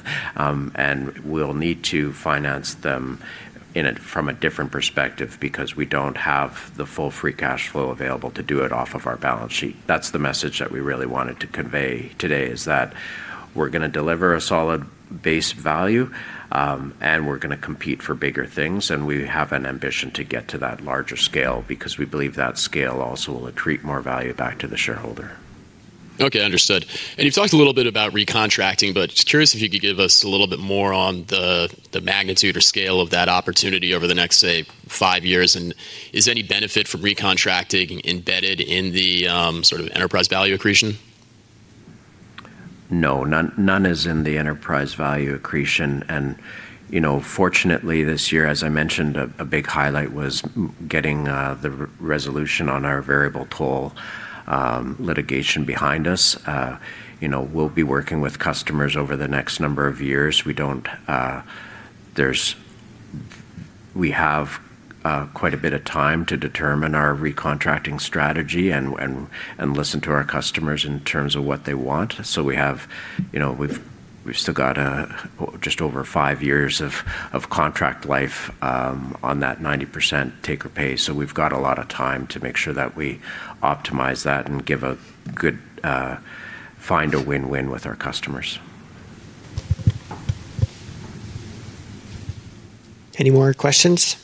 We'll need to finance them from a different perspective because we don't have the full free cash flow available to do it off of our balance sheet. That's the message that we really wanted to convey today is that we're going to deliver a solid base value and we're going to compete for bigger things. We have an ambition to get to that larger scale because we believe that scale also will accrete more value back to the shareholder. Okay. Understood. And you've talked a little bit about recontracting, but just curious if you could give us a little bit more on the magnitude or scale of that opportunity over the next, say, five years. And is any benefit from recontracting embedded in the sort of enterprise value accretion? No. None is in the enterprise value accretion. And, you know, fortunately this year, as I mentioned, a big highlight was getting the resolution on our variable toll litigation behind us. You know, we'll be working with customers over the next number of years. We don't, there's, we have quite a bit of time to determine our recontracting strategy and listen to our customers in terms of what they want. So we have, you know, we've still got just over five years of contract life on that 90% take-or-pay. So we've got a lot of time to make sure that we optimize that and give a good, find a win-win with our customers. Any more questions?